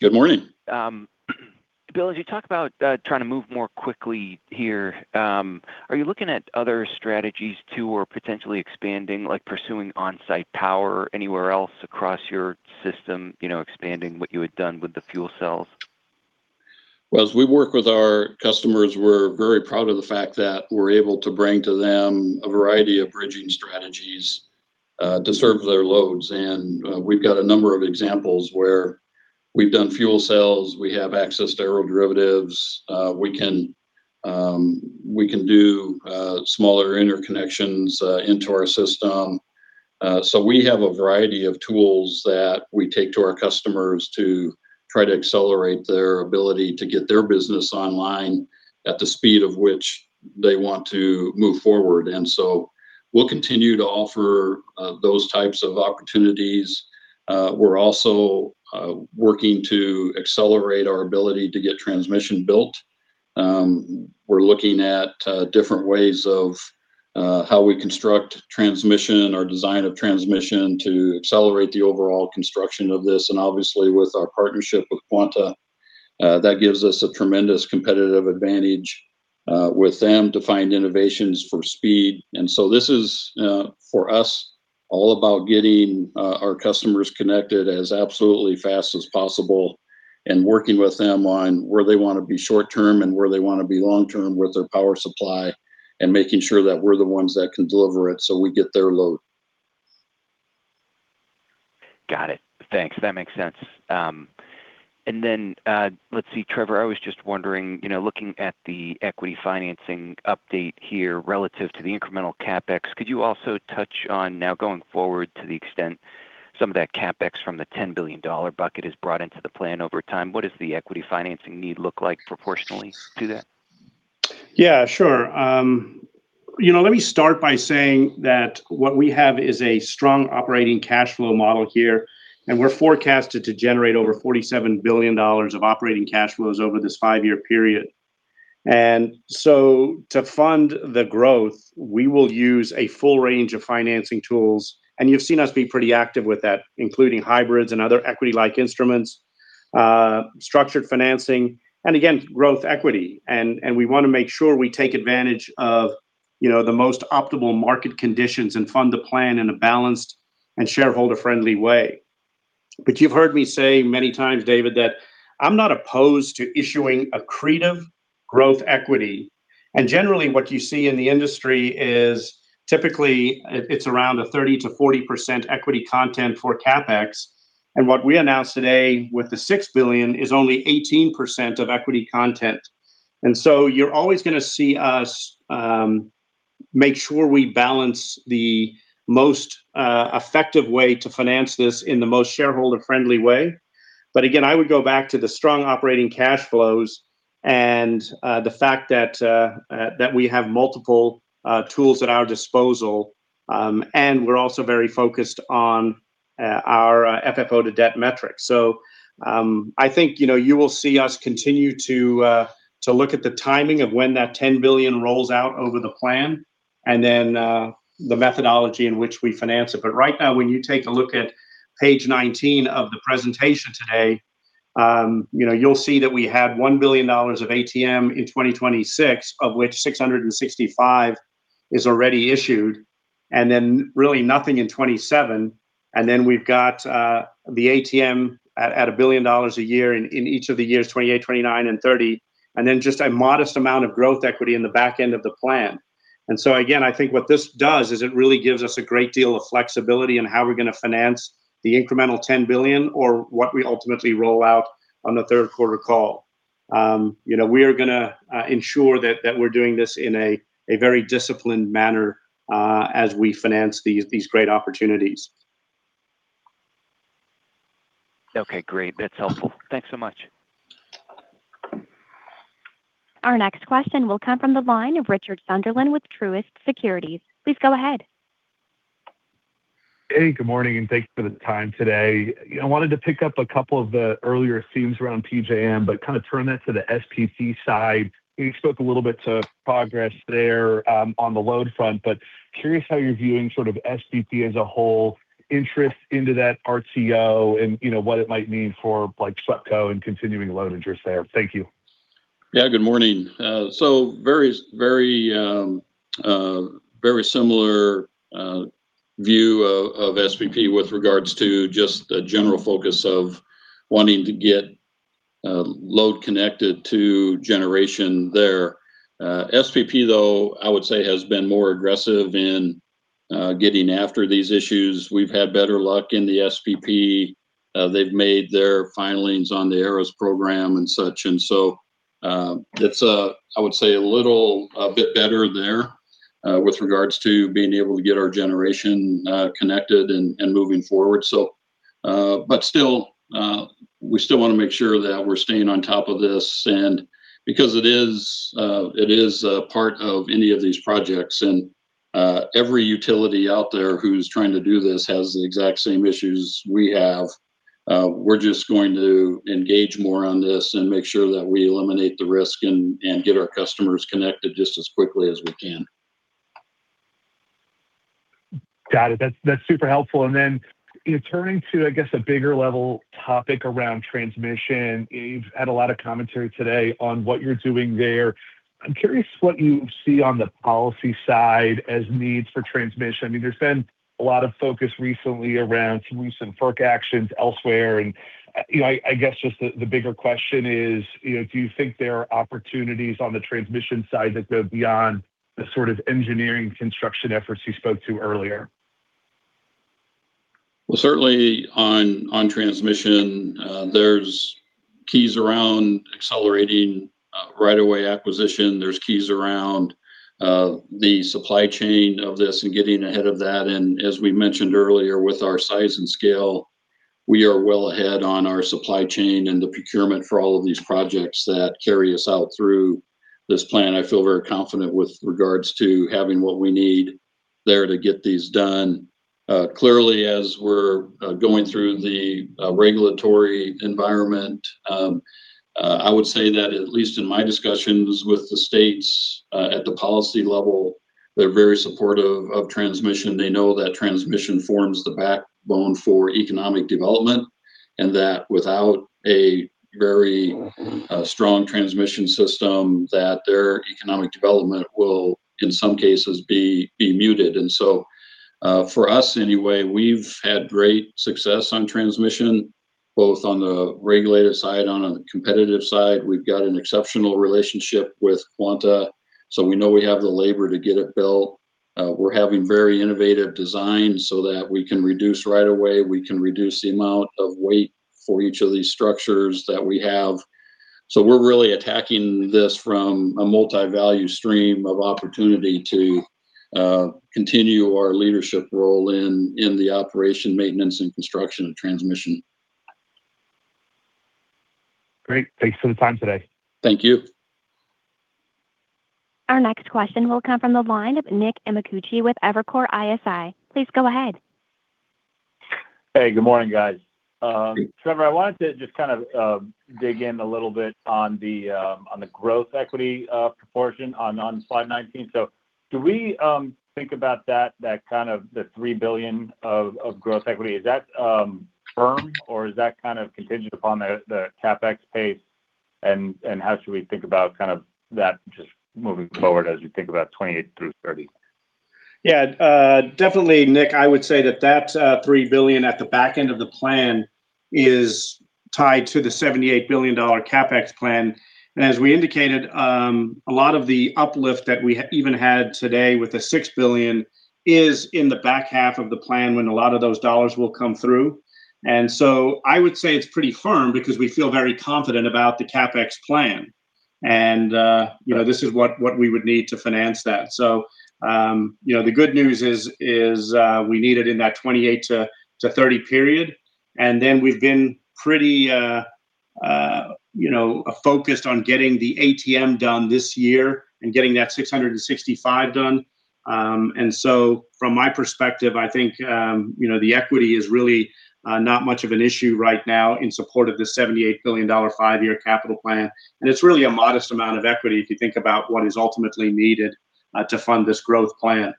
Good morning. Bill, as you talk about, trying to move more quickly here, are you looking at other strategies too or potentially expanding like pursuing on-site power anywhere else across your system, expanding what you had done with the fuel cells? Well, as we work with our customers, we're very proud of the fact that we're able to bring to them a variety of bridging strategies to serve their loads. We've got a number of examples where we've done fuel cells, we have access to aeroderivatives. We can do smaller interconnections into our system. We have a variety of tools that we take to our customers to try to accelerate their ability to get their business online at the speed of which they want to move forward. We'll continue to offer those types of opportunities. We're also working to accelerate our ability to get transmission built. We're looking at different ways of how we construct transmission or design of transmission to accelerate the overall construction of this. Obviously with our partnership with Quanta, that gives us a tremendous competitive advantage with them to find innovations for speed. This is for us all about getting our customers connected as absolutely fast as possible and working with them on where they want to be short term and where they want to be long term with their power supply and making sure that we're the ones that can deliver it so we get their load. Got it. Thanks. That makes sense. Let's see, Trevor, I was just wondering, you know, looking at the equity financing update here relative to the incremental CapEx, could you also touch on now going forward to the extent some of that CapEx from the $10 billion bucket is brought into the plan over time? What does the equity financing need look like proportionally to that? Yeah, sure. You know, let me start by saying that what we have is a strong operating cash flow model here, and we're forecasted to generate over $47 billion of operating cash flows over this five-year period. So to fund the growth, we will use a full range of financing tools, and you've seen us be pretty active with that, including hybrids and other equity-like instruments, structured financing, and again, growth equity. We wanna make sure we take advantage of, you know, the most optimal market conditions and fund the plan in a balanced and shareholder-friendly way. You've heard me say many times, David, that I'm not opposed to issuing accretive growth equity. Generally, what you see in the industry is typically it's around a 30%-40% equity content for CapEx. What we announced today with the $6 billion is only 18% of equity content. You're always gonna see us make sure we balance the most effective way to finance this in the most shareholder-friendly way. I would go back to the strong operating cash flows and the fact that we have multiple tools at our disposal, and we're also very focused on our FFO to debt metrics. I think, you know, you will see us continue to look at the timing of when that $10 billion rolls out over the plan and then the methodology in which we finance it. When you take a look at page 19 of the presentation today, you know, you'll see that we have $1 billion of ATM in 2026 of which $665 is already issued, and then really nothing in 2027. We've got the ATM at $1 billion a year in each of the years 2028, 2029, and 2030, and then just a modest amount of growth equity in the back end of the plan. I think what this does is it really gives us a great deal of flexibility in how we're gonna finance the incremental $10 billion or what we ultimately roll out on the 3rd quarter call. You know, we are going to ensure that we're doing this in a very disciplined manner as we finance these great opportunities. Okay, great. That's helpful. Thanks so much. Our next question will come from the line of Richard Sunderland with Truist Securities. Please go ahead. Hey, good morning, and thanks for the time today. I wanted to pick up a couple of the earlier themes around PJM, but kind of turn that to the SPP side. You spoke a little bit to progress there on the load front, but curious how you're viewing sort of SPP as a whole, interest into that RTO and, you know, what it might mean for, like, SubCo and continuing load interest there. Thank you. Yeah, good morning. Very similar view of SPP with regards to just the general focus of wanting to get load connected to generation there. SPP, though, I would say, has been more aggressive in getting after these issues. We've had better luck in the SPP. They've made their filings on the Aeros program and such. It's, I would say a little bit better there with regards to being able to get our generation connected and moving forward. We still wanna make sure that we're staying on top of this, and because it is a part of any of these projects. Every utility out there who's trying to do this has the exact same issues we have. We're just going to engage more on this and make sure that we eliminate the risk and get our customers connected just as quickly as we can. Got it. That's super helpful. You know, turning to, I guess, a bigger level topic around transmission, you've had a lot of commentary today on what you're doing there. I'm curious what you see on the policy side as needs for transmission. I mean, there's been a lot of focus recently around some recent FERC actions elsewhere. You know, I guess just the bigger question is, you know, do you think there are opportunities on the transmission side that go beyond the sort of engineering construction efforts you spoke to earlier? Well, certainly on transmission, there's keys around accelerating right of way acquisition. There's keys around the supply chain of this and getting ahead of that. As we mentioned earlier with our size and scale, we are well ahead on our supply chain and the procurement for all of these projects that carry us out through this plan. I feel very confident with regards to having what we need there to get these done. Clearly, as we're going through the regulatory environment, I would say that at least in my discussions with the states, at the policy level, they're very supportive of transmission. They know that transmission forms the backbone for economic development, and that without a very strong transmission system, that their economic development will, in some cases, be muted. For us anyway, we've had great success on transmission, both on the regulated side, on the competitive side. We've got an exceptional relationship with Quanta, so we know we have the labor to get it built. We're having very innovative designs so that we can reduce right of way, we can reduce the amount of weight for each of these structures that we have. We're really attacking this from a multi-value stream of opportunity to continue our leadership role in the operation, maintenance, and construction of transmission. Great. Thanks for the time today. Thank you. Our next question will come from the line of Nick Amicucci with Evercore ISI. Please go ahead. Hey, good morning, guys. Good- Trevor, I wanted to just kind of dig in a little bit on the on the growth equity proportion on slide 19. Do we think about that kind of the $3 billion of growth equity, is that firm, or is that kind of contingent upon the CapEx pace? How should we think about that just moving forward as we think about 2028 through 2030? Yeah, definitely, Nick, I would say that $3 billion at the back end of the plan is tied to the $78 billion CapEx plan. As we indicated, a lot of the uplift that we even had today with the $6 billion is in the back half of the plan when a lot of those dollars will come through. I would say it's pretty firm because we feel very confident about the CapEx plan. You know, this is what we would need to finance that. You know, the good news is, we need it in that 2028 to 2030 period, we've been pretty, you know, focused on getting the ATM done this year and getting that 665 done. From my perspective, I think, you know, the equity is really not much of an issue right now in support of the $78 billion five-year capital plan. It's really a modest amount of equity if you think about what is ultimately needed to fund this growth plan.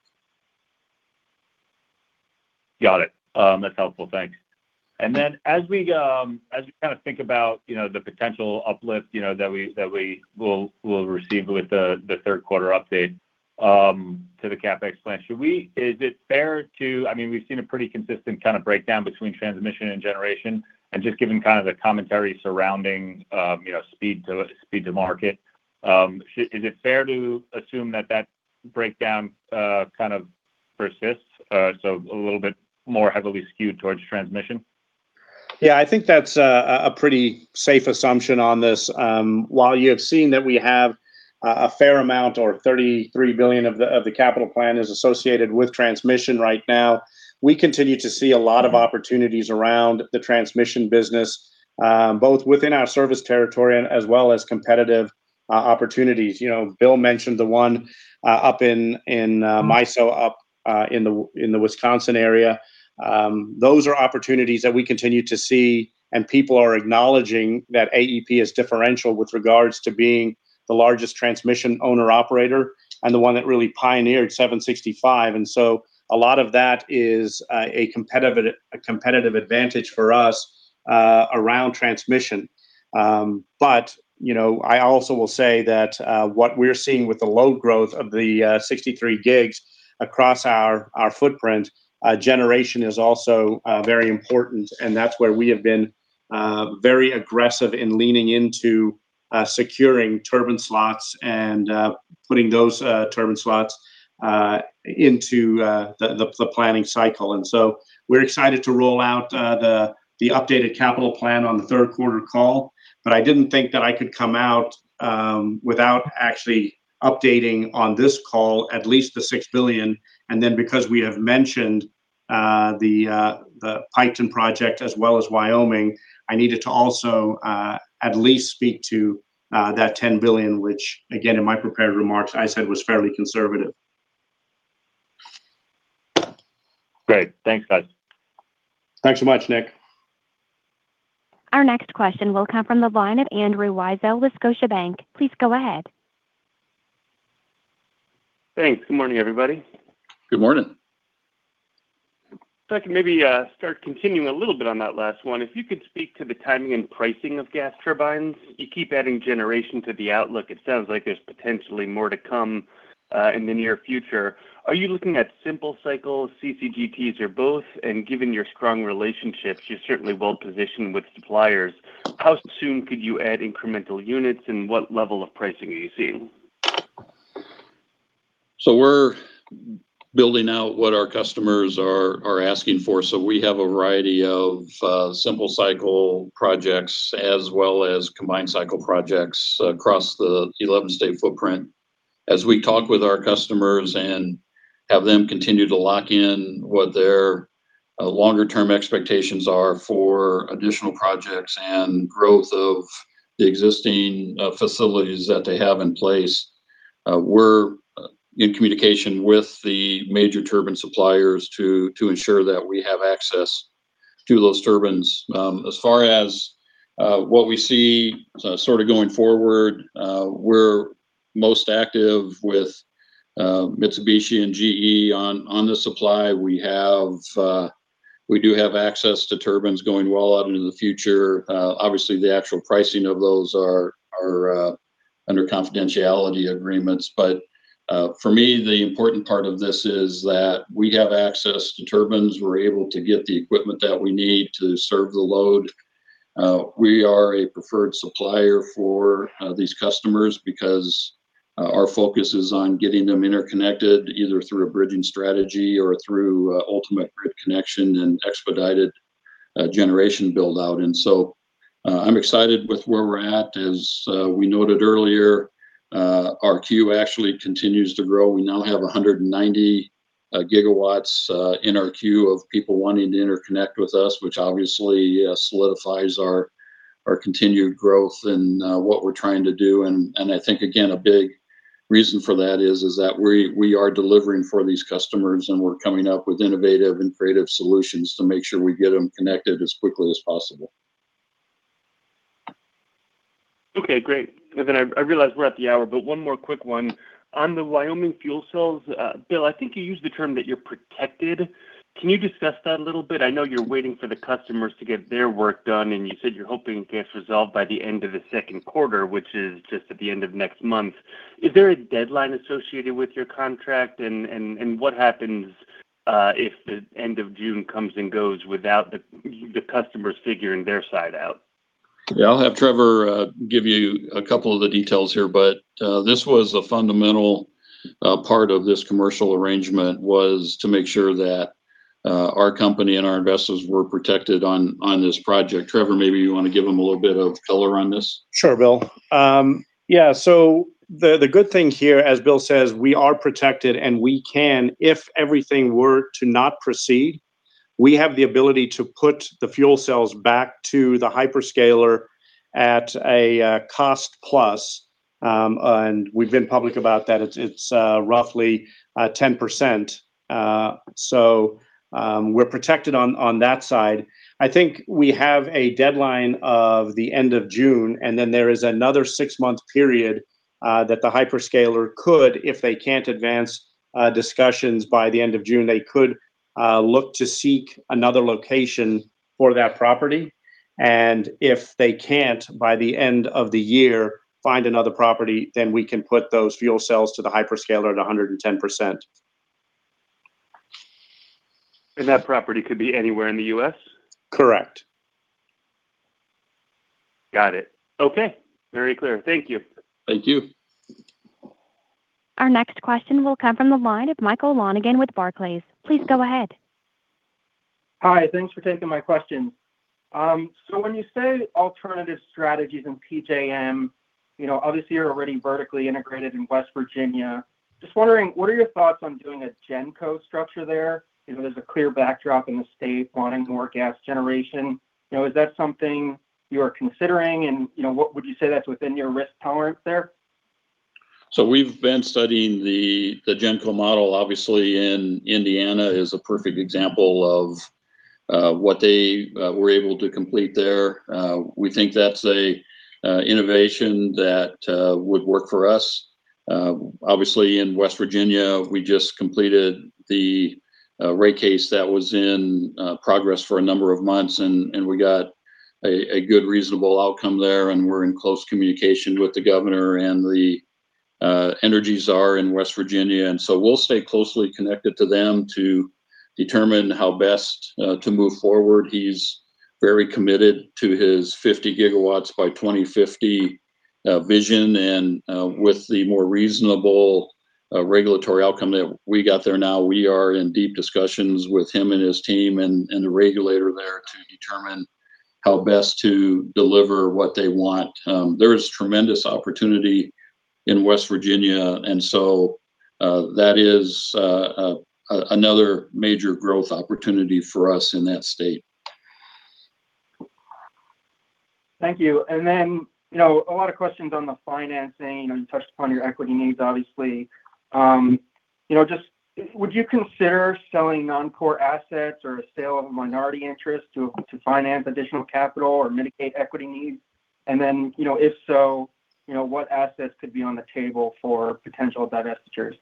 Got it. That's helpful. Thanks. As we, as we kind of think about, you know, the potential uplift, you know, that we will receive with the 3rd quarter update to the CapEx plan, is it fair to, I mean, we've seen a pretty consistent kind of breakdown between transmission and generation, and just given kind of the commentary surrounding, you know, speed to market, is it fair to assume that that breakdown kind of persists, so a little bit more heavily skewed towards transmission? I think that's a pretty safe assumption on this. While you have seen that we have a fair amount or $33 billion of the capital plan is associated with transmission right now, we continue to see a lot of opportunities around the transmission business, both within our service territory and as well as competitive opportunities. You know, Bill mentioned the one up in MISO up in the Wisconsin area. Those are opportunities that we continue to see, and people are acknowledging that AEP is differential with regards to being the largest transmission owner operator and the one that really pioneered 765. A lot of that is a competitive advantage for us around transmission. You know, I also will say that what we're seeing with the load growth of the 63 gigs across our footprint, generation is also very important, and that's where we have been very aggressive in leaning into securing turbine slots and putting those turbine slots into the planning cycle. We're excited to roll out the updated capital plan on the 3rd quarter call, but I didn't think that I could come out without actually updating on this call at least the $6 billion. Because we have mentioned the Piketon project as well as Wyoming, I needed to also at least speak to that $10 billion, which again, in my prepared remarks, I said was fairly conservative. Great. Thanks, guys. Thanks so much, Nick. Our next question will come from the line of Andrew Weisel with Scotiabank. Please go ahead. Thanks. Good morning, everybody. Good morning. If I can maybe start continuing a little bit on that last one, if you could speak to the timing and pricing of gas turbines. You keep adding generation to the outlook. It sounds like there's potentially more to come in the near future. Are you looking at simple cycle CCGTs or both? Given your strong relationships, you're certainly well-positioned with suppliers. How soon could you add incremental units, and what level of pricing are you seeing? We're building out what our customers are asking for. We have a variety of simple cycle projects as well as combined cycle projects across the 11-state footprint. As we talk with our customers and have them continue to lock in what their longer term expectations are for additional projects and growth of the existing facilities that they have in place, we're in communication with the major turbine suppliers to ensure that we have access to those turbines. As far as what we see sort of going forward, we're most active with Mitsubishi and GE on the supply. We do have access to turbines going well out into the future. Obviously, the actual pricing of those are under confidentiality agreements. For me, the important part of this is that we have access to turbines. We're able to get the equipment that we need to serve the load. We are a preferred supplier for these customers because our focus is on getting them interconnected, either through a bridging strategy or through ultimate grid connection and expedited generation build out. I'm excited with where we're at. As we noted earlier, our queue actually continues to grow. We now have 190 GW in our queue of people wanting to interconnect with us, which obviously solidifies our continued growth and what we're trying to do. I think, again, a big reason for that is that we are delivering for these customers, and we're coming up with innovative and creative solutions to make sure we get them connected as quickly as possible. Okay, great. I realize we're at the hour, but one more quick one. On the Wyoming fuel cells, Bill, I think you used the term that you're protected. Can you discuss that a little bit? I know you're waiting for the customers to get their work done, and you said you're hoping it gets resolved by the end of the 2nd quarter, which is just at the end of next month. Is there a deadline associated with your contract? What happens if the end of June comes and goes without the customers figuring their side out? I'll have Trevor give you a couple of the details here. This was a fundamental part of this commercial arrangement, was to make sure that our company and our investors were protected on this project. Trevor, maybe you want to give him a little bit of color on this. Sure, Bill. The good thing here, as Bill says, we are protected, we can if everything were to not proceed, we have the ability to put the fuel cells back to the hyperscaler at a cost plus. We've been public about that. It's roughly 10%. We're protected on that side. I think we have a deadline of the end of June, there is another six-month period that the hyperscaler could, if they can't advance discussions by the end of June, they could look to seek another location for that property. If they can't by the end of the year find another property, we can put those fuel cells to the hyperscaler at 110%. That property could be anywhere in the U.S.? Correct. Got it. Okay. Very clear. Thank you. Thank you. Our next question will come from the line of Michael Lonegan with Barclays. Please go ahead. Hi. Thanks for taking my question. When you say alternative strategies in PJM, you know, obviously you're already vertically integrated in West Virginia. Just wondering, what are your thoughts on doing a GenCo structure there? You know, there's a clear backdrop in the state wanting more gas generation. You know, is that something you are considering? What would you say that's within your risk tolerance there? We've been studying the GenCo model. Obviously, and Indiana is a perfect example of what they were able to complete there. We think that's a innovation that would work for us. Obviously in West Virginia, we just completed the rate case that was in progress for a number of months, and we got a good reasonable outcome there, and we're in close communication with the Governor and the Energy Czar in West Virginia. We'll stay closely connected to them to determine how best to move forward. He's very committed to his 50 GW by 2050 vision. With the more reasonable regulatory outcome that we got there now, we are in deep discussions with him and his team and the regulator there to determine how best to deliver what they want. There is tremendous opportunity in West Virginia. So that is another major growth opportunity for us in that state. Thank you. you know, a lot of questions on the financing, and you touched upon your equity needs obviously. you know, would you consider selling non-core assets or a sale of minority interest to finance additional capital or mitigate equity needs? you know, if so, you know, what assets could be on the table for potential divestitures?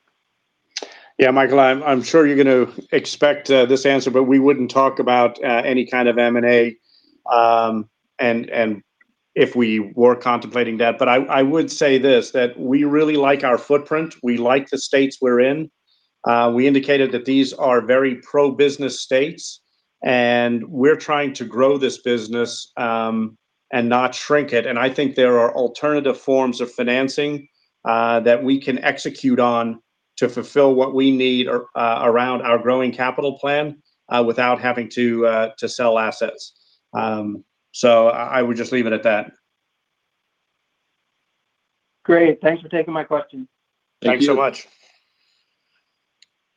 Yeah, Michael, I'm sure you're gonna expect this answer. We wouldn't talk about any kind of M&A, and if we were contemplating that. I would say this, that we really like our footprint. We like the states we're in. We indicated that these are very pro-business states. We're trying to grow this business, and not shrink it. I think there are alternative forms of financing that we can execute on to fulfill what we need around our growing capital plan without having to sell assets. I would just leave it at that. Great. Thanks for taking my question. Thank you. Thanks so much.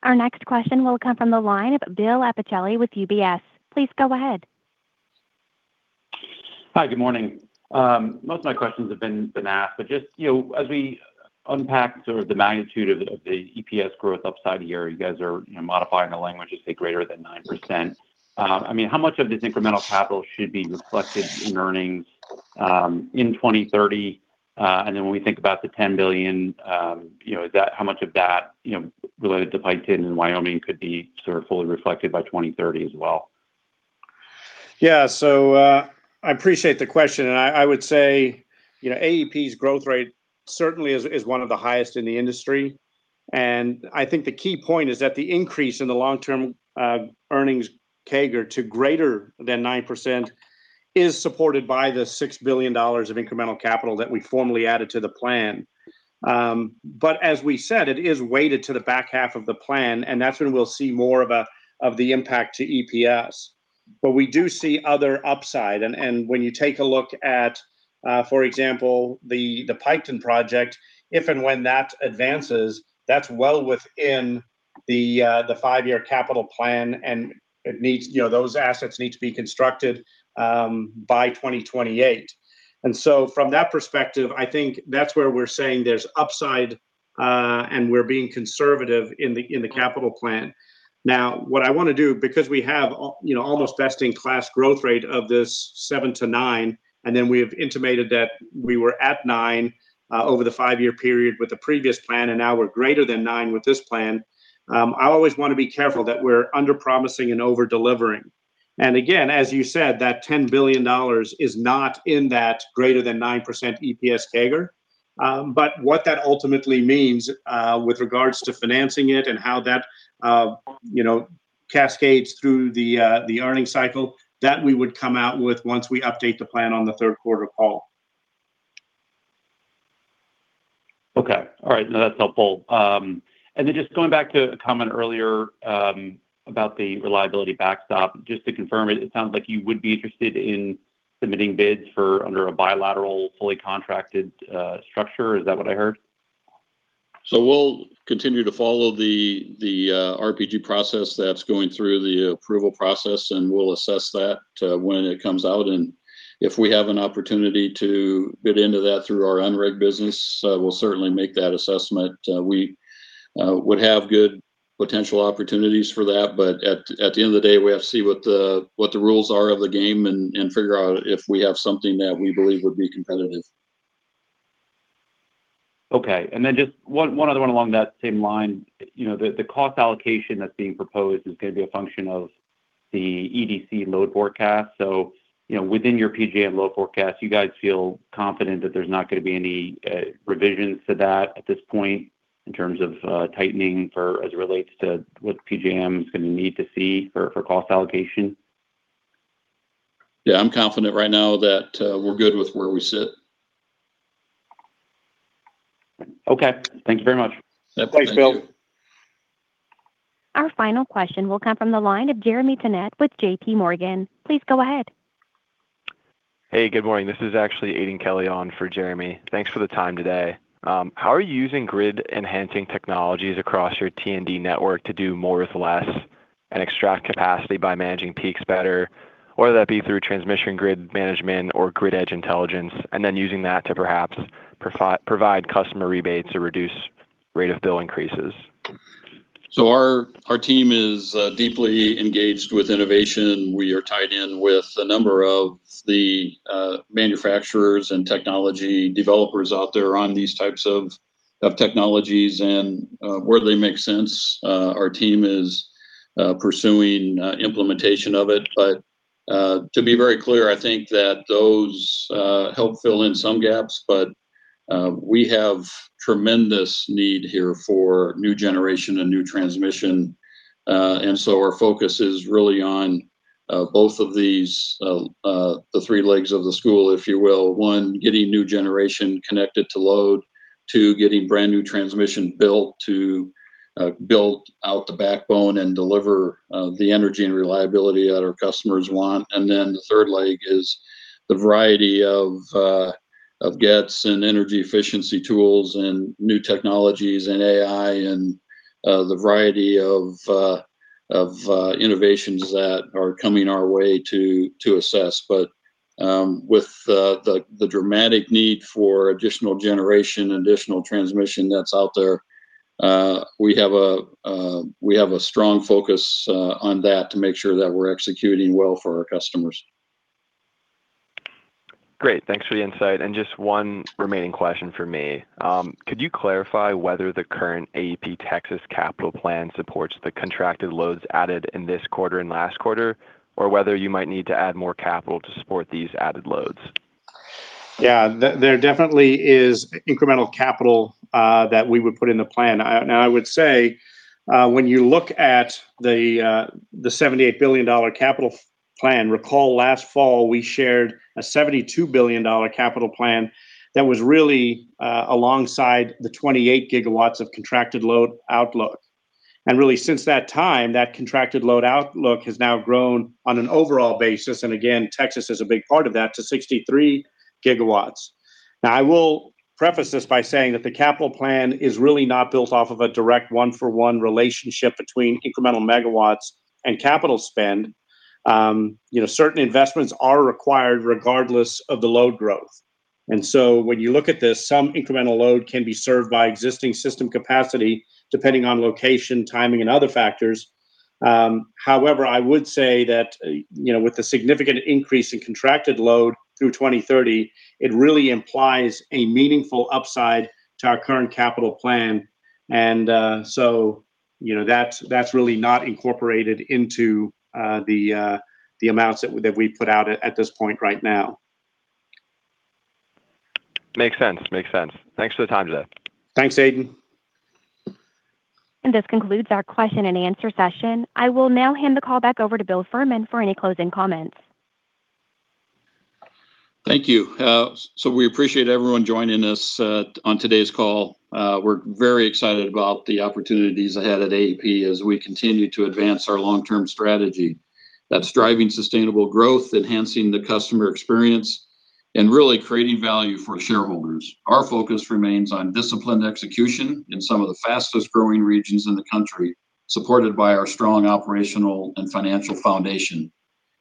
Our next question will come from the line of Bill Appicelli with UBS. Please go ahead. Hi. Good morning. Most of my questions have been asked. Just, you know, as we unpack sort of the magnitude of the EPS growth upside here, you guys are, you know, modifying the language to say greater than 9%. I mean, how much of this incremental capital should be reflected in earnings in 2030? When we think about the $10 billion, you know, is that how much of that, you know, related to Piketon in Wyoming could be sort of fully reflected by 2030 as well? Yeah. I appreciate the question. I would say, you know, AEP's growth rate certainly is one of the highest in the industry. I think the key point is that the increase in the long-term earnings CAGR to greater than 9% is supported by the $6 billion of incremental capital that we formally added to the plan. As we said, it is weighted to the back half of the plan, and that's when we'll see more of the impact to EPS. We do see other upside. When you take a look at, for example, the Piketon project, if and when that advances, that's well within the five-year capital plan, and it needs, you know, those assets need to be constructed by 2028. From that perspective, I think that's where we're saying there's upside, and we're being conservative in the capital plan. What I wanna do, because we have a, you know, almost best-in-class growth rate of this 7% to 9%, then we have intimated that we were at 9% over the five-year period with the previous plan, and now we're greater than 9% with this plan, I always wanna be careful that we're underpromising and over-delivering. Again, as you said, that $10 billion is not in that greater than 9% EPS CAGR. What that ultimately means, with regards to financing it and how that, you know, cascades through the earnings cycle, that we would come out with once we update the plan on the 3rd quarter call. Okay. All right, no, that's helpful. Just going back to a comment earlier about the reliability backstop, just to confirm, it sounds like you would be interested in submitting bids for under a bilateral fully contracted structure. Is that what I heard? We'll continue to follow the RPG process that's going through the approval process, and we'll assess that when it comes out. If we have an opportunity to bid into that through our unreg business, we'll certainly make that assessment. We would have good potential opportunities for that. At the end of the day, we have to see what the rules are of the game and figure out if we have something that we believe would be competitive. Okay. Just one other one along that same line. You know, the cost allocation that's being proposed is gonna be a function of the EDC load forecast. You know, within your PJM load forecast, you guys feel confident that there's not gonna be any revisions to that at this point in terms of tightening as it relates to what PJM is gonna need to see for cost allocation? Yeah, I'm confident right now that, we're good with where we sit. Okay. Thank you very much. Yeah. Thanks, Bill. Thanks. Our final question will come from the line of Jeremy Tonet with JPMorgan. Please go ahead. Hey, good morning. This is actually Aidan Kelly on for Jeremy. Thanks for the time today. How are you using grid-enhancing technologies across your T&D network to do more with less and extract capacity by managing peaks better, whether that be through transmission grid management or grid edge intelligence, and then using that to perhaps provide customer rebates or reduce rate of bill increases? Our team is deeply engaged with innovation. We are tied in with a number of the manufacturers and technology developers out there on these types of technologies. Where they make sense, our team is pursuing implementation of it. To be very clear, I think that those help fill in some gaps, but we have tremendous need here for new generation and new transmission. Our focus is really on both of these, the three legs of the stool, if you will. One, getting new generation connected to load. Two, getting brand-new transmission built to build out the backbone and deliver the energy and reliability that our customers want. The 3rd leg is the variety of GETs and energy efficiency tools and new technologies and AI and the variety of innovations that are coming our way to assess. With the dramatic need for additional generation, additional transmission that's out there, we have a strong focus on that to make sure that we're executing well for our customers. Great. Thanks for the insight. Just one remaining question from me. Could you clarify whether the current AEP Texas capital plan supports the contracted loads added in this quarter and last quarter, or whether you might need to add more capital to support these added loads? Yeah. There, there definitely is incremental capital that we would put in the plan. I would say, when you look at the $78 billion capital plan, recall last fall we shared a $72 billion capital plan that was really alongside the 28 GW of contracted load outlook. Really since that time, that contracted load outlook has now grown on an overall basis, and again, Texas is a big part of that, to 63 GW. I will preface this by saying that the capital plan is really not built off of a direct one-for-one relationship between incremental megawatts and capital spend. You know, certain investments are required regardless of the load growth. When you look at this, some incremental load can be served by existing system capacity depending on location, timing, and other factors. However, I would say that with the significant increase in contracted load through 2030, it really implies a meaningful upside to our current capital plan. That's really not incorporated into the amounts that we put out at this point right now. Makes sense. Makes sense. Thanks for the time today. Thanks, Aidan. This concludes our question and answer session. I will now hand the call back over to Bill Fehrman for any closing comments. Thank you. We appreciate everyone joining us on today's call. We're very excited about the opportunities ahead at AEP as we continue to advance our long-term strategy. That's driving sustainable growth, enhancing the customer experience, and really creating value for shareholders. Our focus remains on disciplined execution in some of the fastest-growing regions in the country, supported by our strong operational and financial foundation.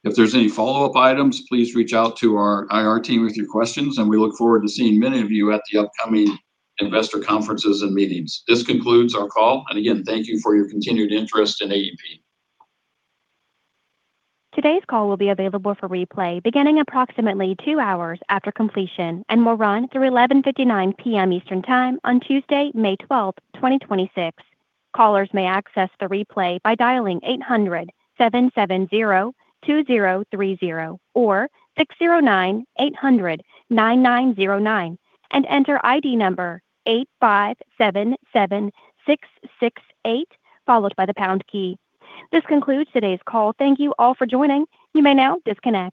If there's any follow-up items, please reach out to our IR team with your questions, and we look forward to seeing many of you at the upcoming investor conferences and meetings. This concludes our call. Again, thank you for your continued interest in AEP. Today's call will be available for replay beginning approximately two hours after completion and will run through eleven fifty-nine PM Eastern Time on Tuesday, May 12, 2026. Callers may access the replay by dialing eight hundred seven seven zero two zero three zero or six zero nine eight hundred nine nine zero nine and enter ID number eight five seven seven six six eight, followed by the pound key. This concludes today's call. Thank you all for joining. You may now disconnect.